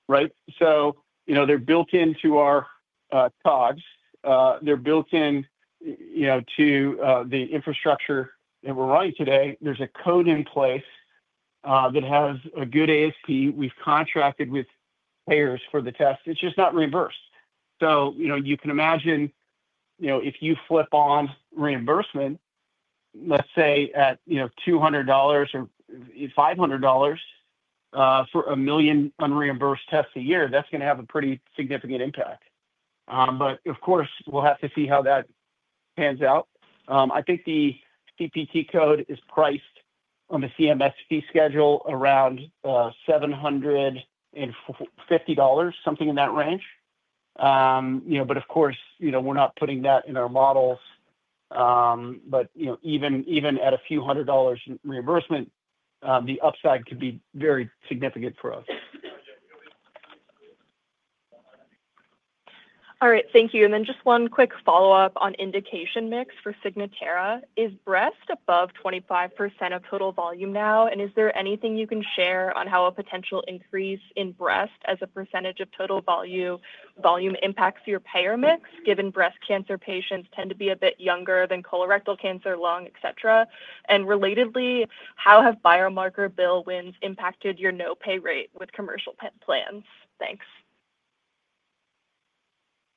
right? So they're built into our COGS. They're built into the infrastructure that we're running today. There's a code in place that has a good ASP. We've contracted with payers for the test. It's just not reimbursed. So you can imagine if you flip on reimbursement, let's say at $200 or $500 for a million unreimbursed tests a year, that's going to have a pretty significant impact. But of course, we'll have to see how that pans out. I think the CPT code is priced on the CMS schedule around $750, something in that range. But of course, we're not putting that in our models. But even at a few hundred dollars in reimbursement, the upside could be very significant for us. All right. Thank you. And then just one quick follow-up on indication mix for Signatera. Is breast above 25% of total volume now? And is there anything you can share on how a potential increase in breast as a percentage of total volume impacts your payer mix, given breast cancer patients tend to be a bit younger than colorectal cancer, lung, etc.? And relatedly, how have biomarker bill wins impacted your no-pay rate with commercial plans? Thanks.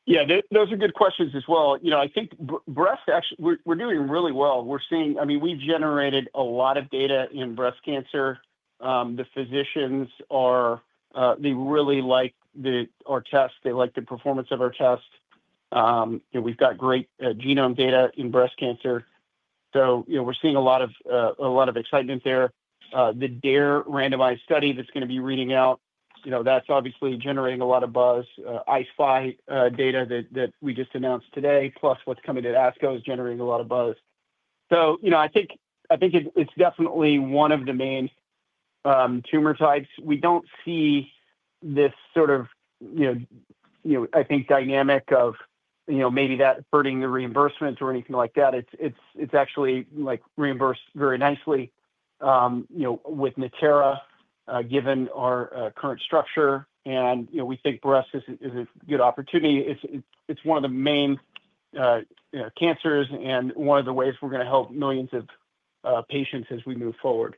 Yeah, those are good questions as well. I think breast, we're doing really well. I mean, we've generated a lot of data in breast cancer. The physicians really like our tests. They like the performance of our tests. We've got great genome data in breast cancer. So we're seeing a lot of excitement there. The DARE randomized study that's going to be reading out, that's obviously generating a lot of buzz. I-SPY data that we just announced today, plus what's coming to ASCO is generating a lot of buzz. So I think it's definitely one of the main tumor types. We don't see this sort of, I think, dynamic of maybe that hurting the reimbursement or anything like that. It's actually reimbursed very nicely with Natera given our current structure, and we think breast is a good opportunity. It's one of the main cancers and one of the ways we're going to help millions of patients as we move forward.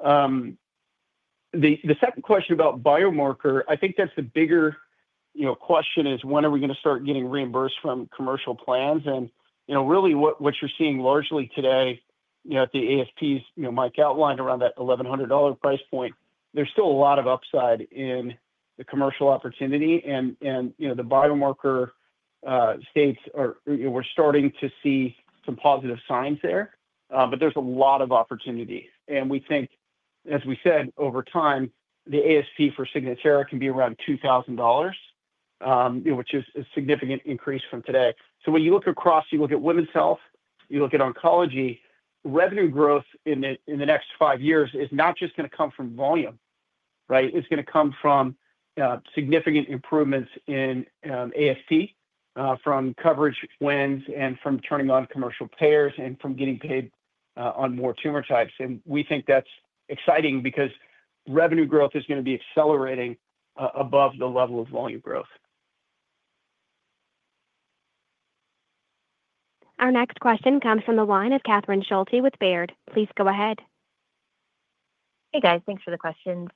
The second question about biomarker, I think that's the bigger question is, when are we going to start getting reimbursed from commercial plans? And really, what you're seeing largely today at the ASPs, Mike outlined around that $1,100 price point, there's still a lot of upside in the commercial opportunity. And the biomarker status, we're starting to see some positive signs there, but there's a lot of opportunity. And we think, as we said, over time, the ASP for Signatera can be around $2,000, which is a significant increase from today. So when you look across, you look at women's health, you look at oncology, revenue growth in the next five years is not just going to come from volume, right? It's going to come from significant improvements in ASP from coverage wins and from turning on commercial payers and from getting paid on more tumor types, and we think that's exciting because revenue growth is going to be accelerating above the level of volume growth. Our next question comes from the line of Catherine Schulte with Baird. Please go ahead. Hey, guys. Thanks for the questions.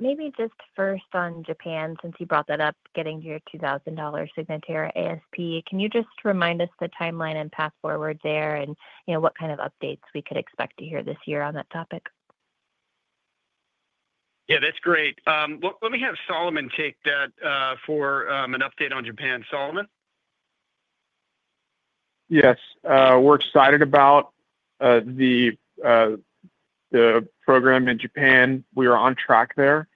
Maybe just first on Japan, since you brought that up, getting your $2,000 Signatera ASP, can you just remind us the timeline and path forward there and what kind of updates we could expect to hear this year on that topic? Yeah, that's great. Let me have Solomon take that for an update on Japan. Solomon? Yes. We're excited about the program in Japan. We are on track there.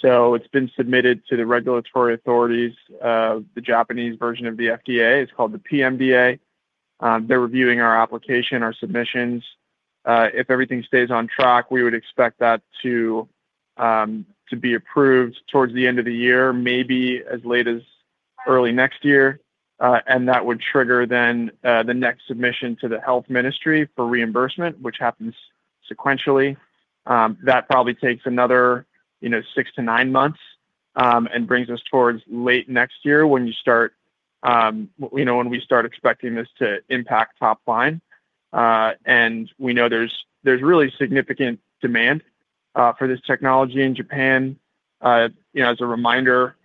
So it's been submitted to the regulatory authorities, the Japanese version of the FDA. It's called the PMDA. They're reviewing our application, our submissions. If everything stays on track, we would expect that to be approved towards the end of the year, maybe as late as early next year, and that would trigger then the next submission to the Health Ministry for reimbursement, which happens sequentially. That probably takes another six to nine months and brings us towards late next year when we start expecting this to impact top line, and we know there's really significant demand for this technology in Japan. As a reminder,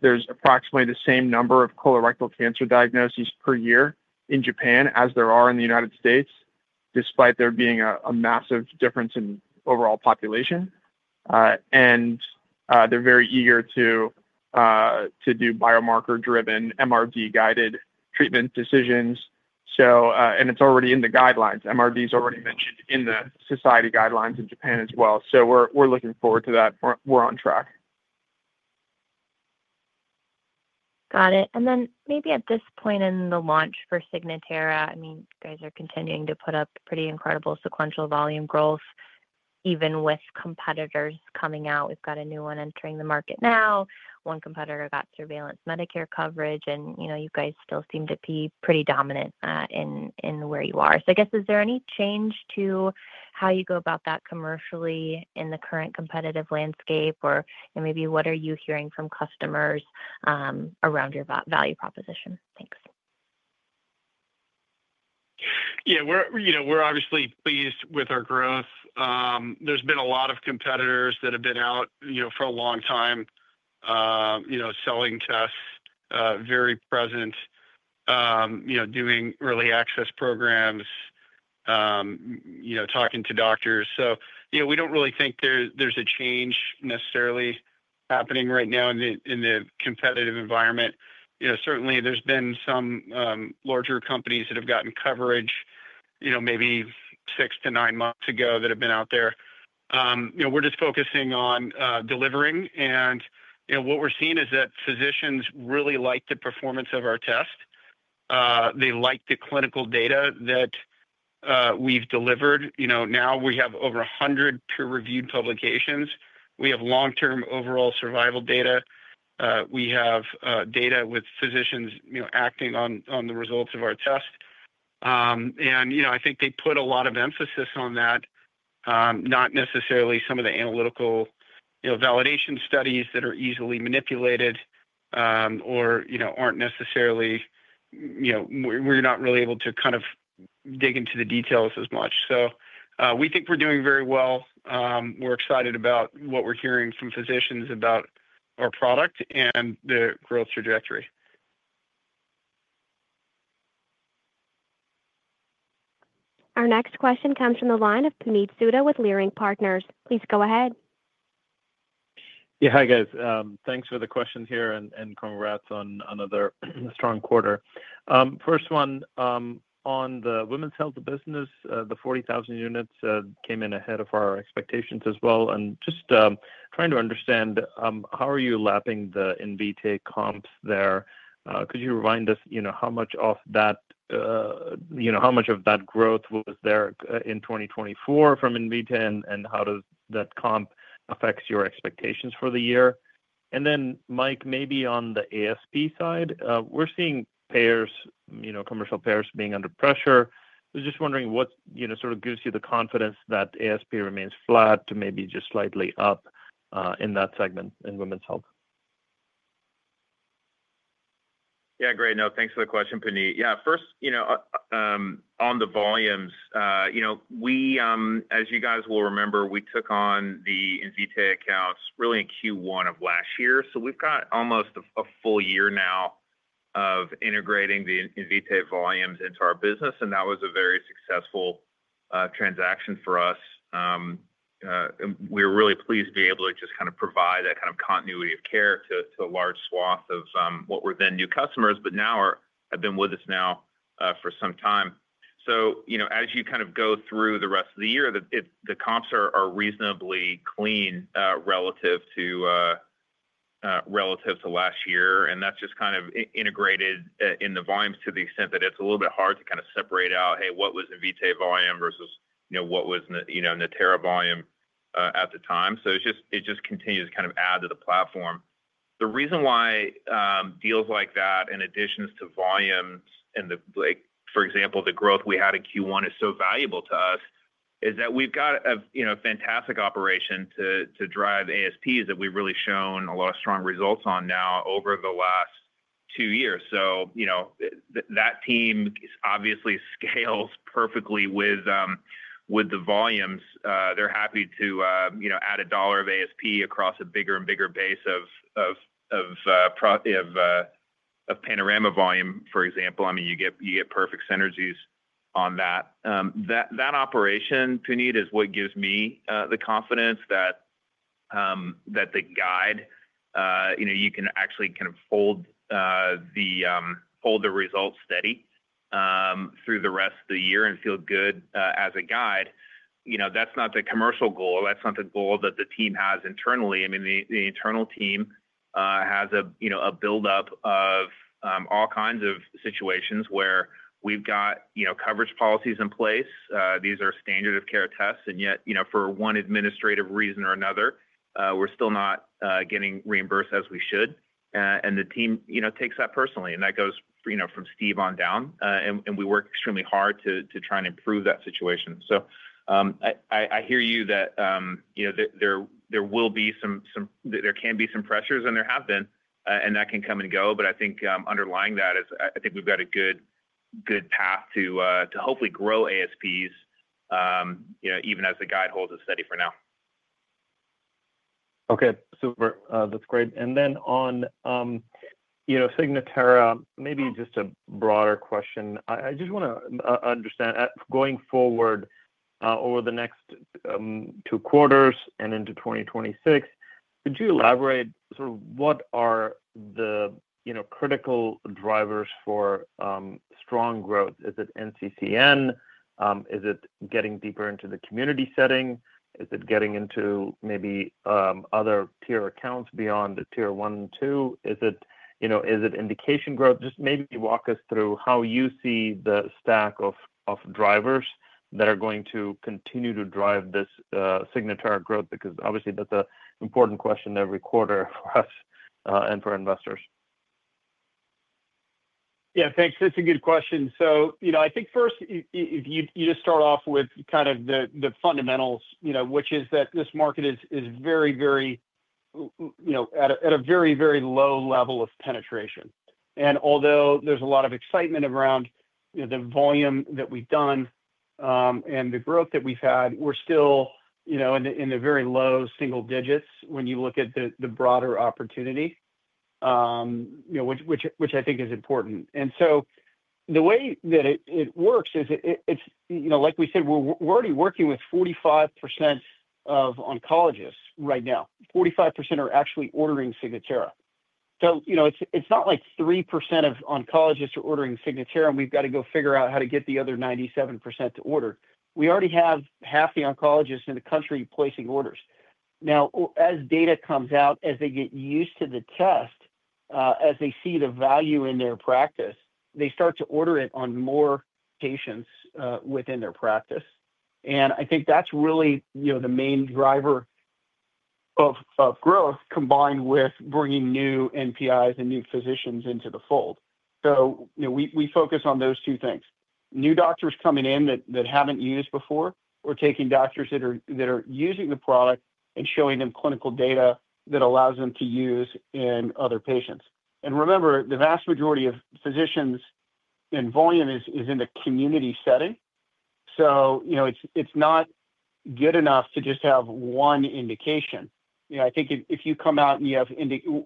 there's approximately the same number of colorectal cancer diagnoses per year in Japan as there are in the United States, despite there being a massive difference in overall population. And they're very eager to do biomarker-driven, MRD-guided treatment decisions. And it's already in the guidelines. MRD is already mentioned in the society guidelines in Japan as well. So we're looking forward to that. We're on track. Got it. And then maybe at this point in the launch for Signatera, I mean, you guys are continuing to put up pretty incredible sequential volume growth, even with competitors coming out. We've got a new one entering the market now. One competitor got surveillance Medicare coverage. And you guys still seem to be pretty dominant in where you are. So I guess, is there any change to how you go about that commercially in the current competitive landscape? Or maybe what are you hearing from customers around your value proposition? Thanks. Yeah, we're obviously pleased with our growth. There's been a lot of competitors that have been out for a long time selling tests, very present, doing early access programs, talking to doctors. So we don't really think there's a change necessarily happening right now in the competitive environment. Certainly, there's been some larger companies that have gotten coverage maybe six to nine months ago that have been out there. We're just focusing on delivering, and what we're seeing is that physicians really like the performance of our test. They like the clinical data that we've delivered. Now we have over 100 peer-reviewed publications. We have long-term overall survival data. We have data with physicians acting on the results of our test. And I think they put a lot of emphasis on that, not necessarily some of the analytical validation studies that are easily manipulated or aren't necessarily. We're not really able to kind of dig into the details as much. So we think we're doing very well. We're excited about what we're hearing from physicians about our product and the growth trajectory. Our next question comes from the line of Puneet Souda with Leerink Partners. Please go ahead. Yeah, hi guys. Thanks for the questions here and congrats on another strong quarter. First one, on the women's health business, the 40,000 units came in ahead of our expectations as well. Just trying to understand, how are you lapping the Invitae comps there? Could you remind us how much of that growth was there in 2024 from Invitae and how does that comp affect your expectations for the year? Then, Mike, maybe on the ASP side, we're seeing commercial payers being under pressure. I was just wondering what sort of gives you the confidence that ASP remains flat to maybe just slightly up in that segment in women's health? Yeah, great. No, thanks for the question, Puneet. Yeah, first, on the volumes, as you guys will remember, we took on the Invitae accounts really in Q1 of last year. So we've got almost a full year now of integrating the Invitae volumes into our business. And that was a very successful transaction for us. We were really pleased to be able to just kind of provide that kind of continuity of care to a large swath of what were then new customers, but now have been with us now for some time. So as you kind of go through the rest of the year, the comps are reasonably clean relative to last year. And that's just kind of integrated in the volumes to the extent that it's a little bit hard to kind of separate out, hey, what was Invitae volume versus what was Natera volume at the time. So it just continues to kind of add to the platform. The reason why deals like that, in addition to volumes, and for example, the growth we had in Q1 is so valuable to us, is that we've got a fantastic operation to drive ASPs that we've really shown a lot of strong results on now over the last two years. So that team obviously scales perfectly with the volumes. They're happy to add a dollar of ASP across a bigger and bigger base of Panorama volume, for example. I mean, you get perfect synergies on that. That operation, Puneet, is what gives me the confidence that the guide, you can actually kind of hold the results steady through the rest of the year and feel good as a guide. That's not the commercial goal. That's not the goal that the team has internally. I mean, the internal team has a buildup of all kinds of situations where we've got coverage policies in place. These are standard of care tests. And yet, for one administrative reason or another, we're still not getting reimbursed as we should. And the team takes that personally. And that goes from Steve on down. And we work extremely hard to try and improve that situation. So I hear you that there can be some pressures, and there have been, and that can come and go. But I think underlying that is I think we've got a good path to hopefully grow ASPs, even as the guide holds us steady for now. Okay. Super. That's great. And then on Signatera, maybe just a broader question. I just want to understand, going forward over the next two quarters and into 2026, could you elaborate sort of what are the critical drivers for strong growth? Is it NCCN? Is it getting deeper into the community setting? Is it getting into maybe other tier accounts beyond the tier one, two? Is it indication growth? Just maybe walk us through how you see the stack of drivers that are going to continue to drive this Signatera growth, because obviously, that's an important question every quarter for us and for investors. Yeah, thanks. That's a good question. So I think first, you just start off with kind of the fundamentals, which is that this market is at a very low level of penetration. And although there's a lot of excitement around the volume that we've done and the growth that we've had, we're still in the very low single digits when you look at the broader opportunity, which I think is important. And so the way that it works is, like we said, we're already working with 45% of oncologists right now. 45% are actually ordering Signatera. So it's not like 3% of oncologists are ordering Signatera, and we've got to go figure out how to get the other 97% to order. We already have half the oncologists in the country placing orders. Now, as data comes out, as they get used to the test, as they see the value in their practice, they start to order it on more patients within their practice. And I think that's really the main driver of growth combined with bringing new NPIs and new physicians into the fold. So we focus on those two things: new doctors coming in that haven't used before or taking doctors that are using the product and showing them clinical data that allows them to use in other patients. And remember, the vast majority of physicians in volume is in the community setting. So it's not good enough to just have one indication. I think if you come out and you have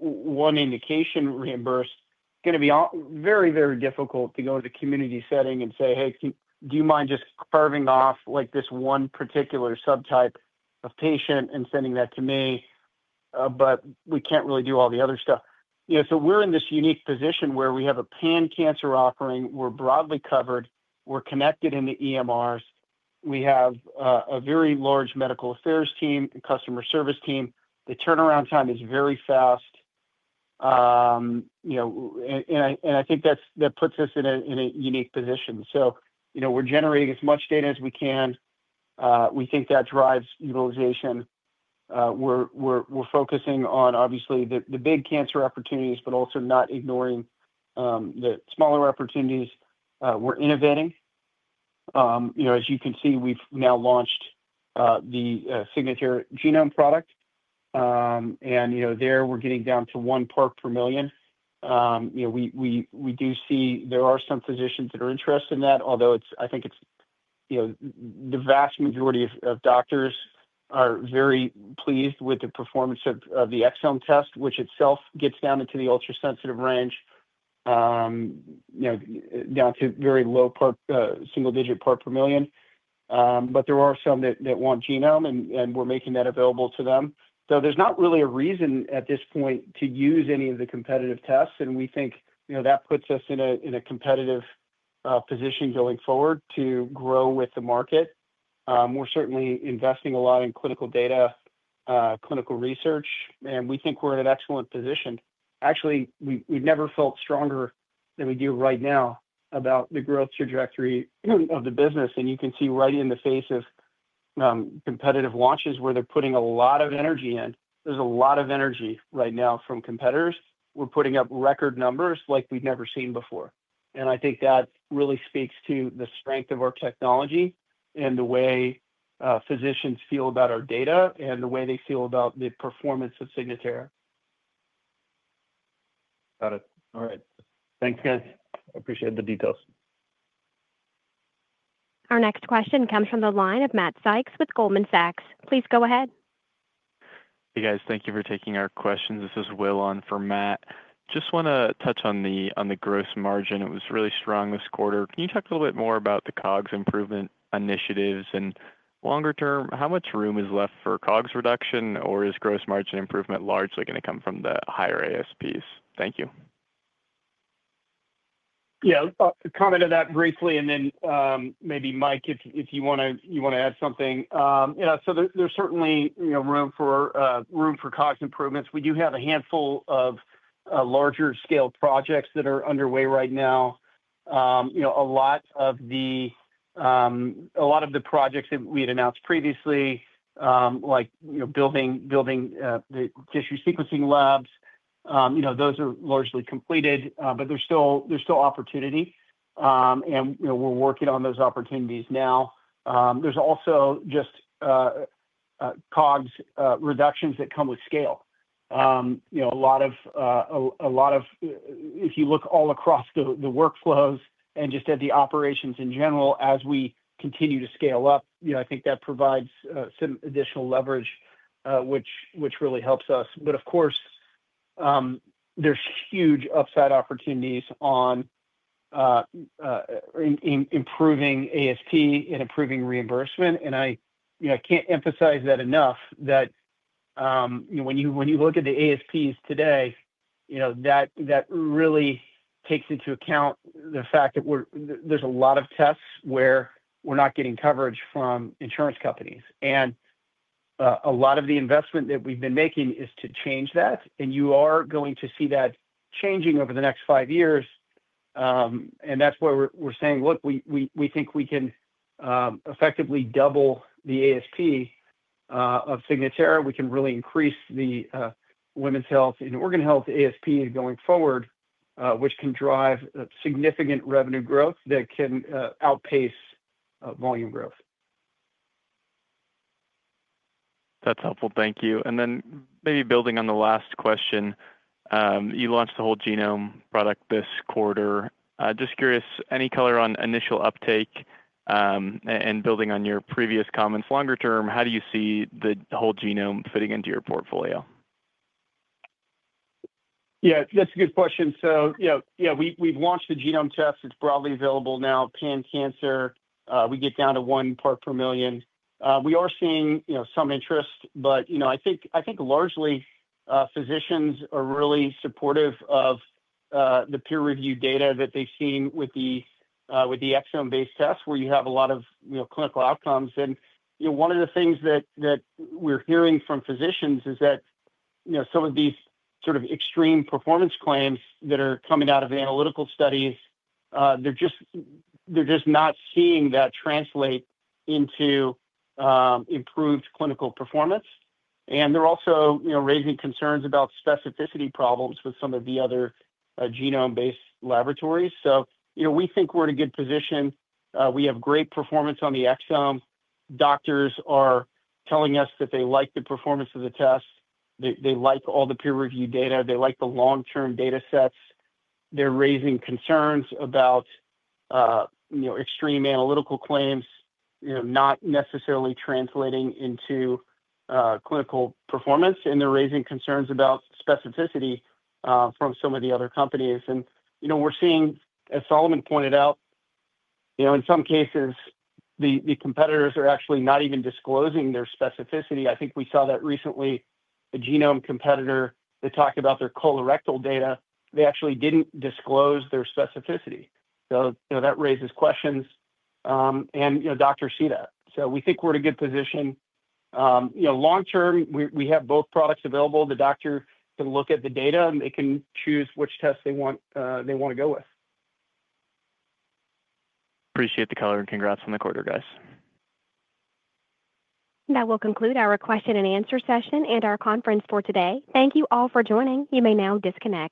one indication reimbursed, it's going to be very, very difficult to go to the community setting and say, "Hey, do you mind just carving off this one particular subtype of patient and sending that to me?" But we can't really do all the other stuff. So we're in this unique position where we have a pan-cancer offering. We're broadly covered. We're connected in the EMRs. We have a very large medical affairs team and customer service team. The turnaround time is very fast. And I think that puts us in a unique position. So we're generating as much data as we can. We think that drives utilization. We're focusing on, obviously, the big cancer opportunities, but also not ignoring the smaller opportunities. We're innovating. As you can see, we've now launched the Signatera Genome product. There, we're getting down to one part per million. We do see there are some physicians that are interested in that, although I think the vast majority of doctors are very pleased with the performance of the exome test, which itself gets down into the ultra-sensitive range, down to very low single-digit part per million. There are some that want genome, and we're making that available to them. There's not really a reason at this point to use any of the competitive tests. We think that puts us in a competitive position going forward to grow with the market. We're certainly investing a lot in clinical data, clinical research. We think we're in an excellent position. Actually, we've never felt stronger than we do right now about the growth trajectory of the business. And you can see right in the face of competitive launches where they're putting a lot of energy in. There's a lot of energy right now from competitors. We're putting up record numbers like we've never seen before. And I think that really speaks to the strength of our technology and the way physicians feel about our data and the way they feel about the performance of Signatera. Got it. All right. Thanks, guys. Appreciate the details. Our next question comes from the line of Matt Sykes with Goldman Sachs. Please go ahead. Hey, guys. Thank you for taking our questions. This is Will on for Matt. Just want to touch on the gross margin. It was really strong this quarter. Can you talk a little bit more about the COGS improvement initiatives? And longer term, how much room is left for COGS reduction, or is gross margin improvement largely going to come from the higher ASPs? Thank you. Yeah, I'll comment on that briefly and then maybe, Mike, if you want to add something. So there's certainly room for COGS improvements. We do have a handful of larger-scale projects that are underway right now. A lot of the projects that we had announced previously, like building the tissue sequencing labs, those are largely completed, but there's still opportunity, and we're working on those opportunities now. There's also just COGS reductions that come with scale. A lot of if you look all across the workflows and just at the operations in general, as we continue to scale up, I think that provides some additional leverage, which really helps us, but of course, there's huge upside opportunities on improving ASP and improving reimbursement. And I can't emphasize that enough that when you look at the ASPs today, that really takes into account the fact that there's a lot of tests where we're not getting coverage from insurance companies. And a lot of the investment that we've been making is to change that. And you are going to see that changing over the next five years. And that's why we're saying, "Look, we think we can effectively double the ASP of Signatera. We can really increase the women's health and organ health ASP going forward, which can drive significant revenue growth that can outpace volume growth. That's helpful. Thank you. And then maybe building on the last question, you launched the whole genome product this quarter. Just curious, any color on initial uptake and building on your previous comments? Longer term, how do you see the whole genome fitting into your portfolio? Yeah, that's a good question. So yeah, we've launched the genome test. It's broadly available now. Pan-cancer, we get down to one part per million. We are seeing some interest. But I think largely, physicians are really supportive of the peer-reviewed data that they've seen with the exome-based tests, where you have a lot of clinical outcomes. And one of the things that we're hearing from physicians is that some of these sort of extreme performance claims that are coming out of analytical studies, they're just not seeing that translate into improved clinical performance. And they're also raising concerns about specificity problems with some of the other genome-based laboratories. So we think we're in a good position. We have great performance on the exome. Doctors are telling us that they like the performance of the test. They like all the peer-reviewed data. They like the long-term data sets. They're raising concerns about extreme analytical claims not necessarily translating into clinical performance. And they're raising concerns about specificity from some of the other companies. And we're seeing, as Solomon pointed out, in some cases, the competitors are actually not even disclosing their specificity. I think we saw that recently. A genome competitor that talked about their colorectal data, they actually didn't disclose their specificity. So that raises questions. And doctors see that. So we think we're in a good position. Long-term, we have both products available. The doctor can look at the data, and they can choose which test they want to go with. Appreciate the color and congrats on the quarter, guys. That will conclude our question and answer session and our conference for today. Thank you all for joining. You may now disconnect.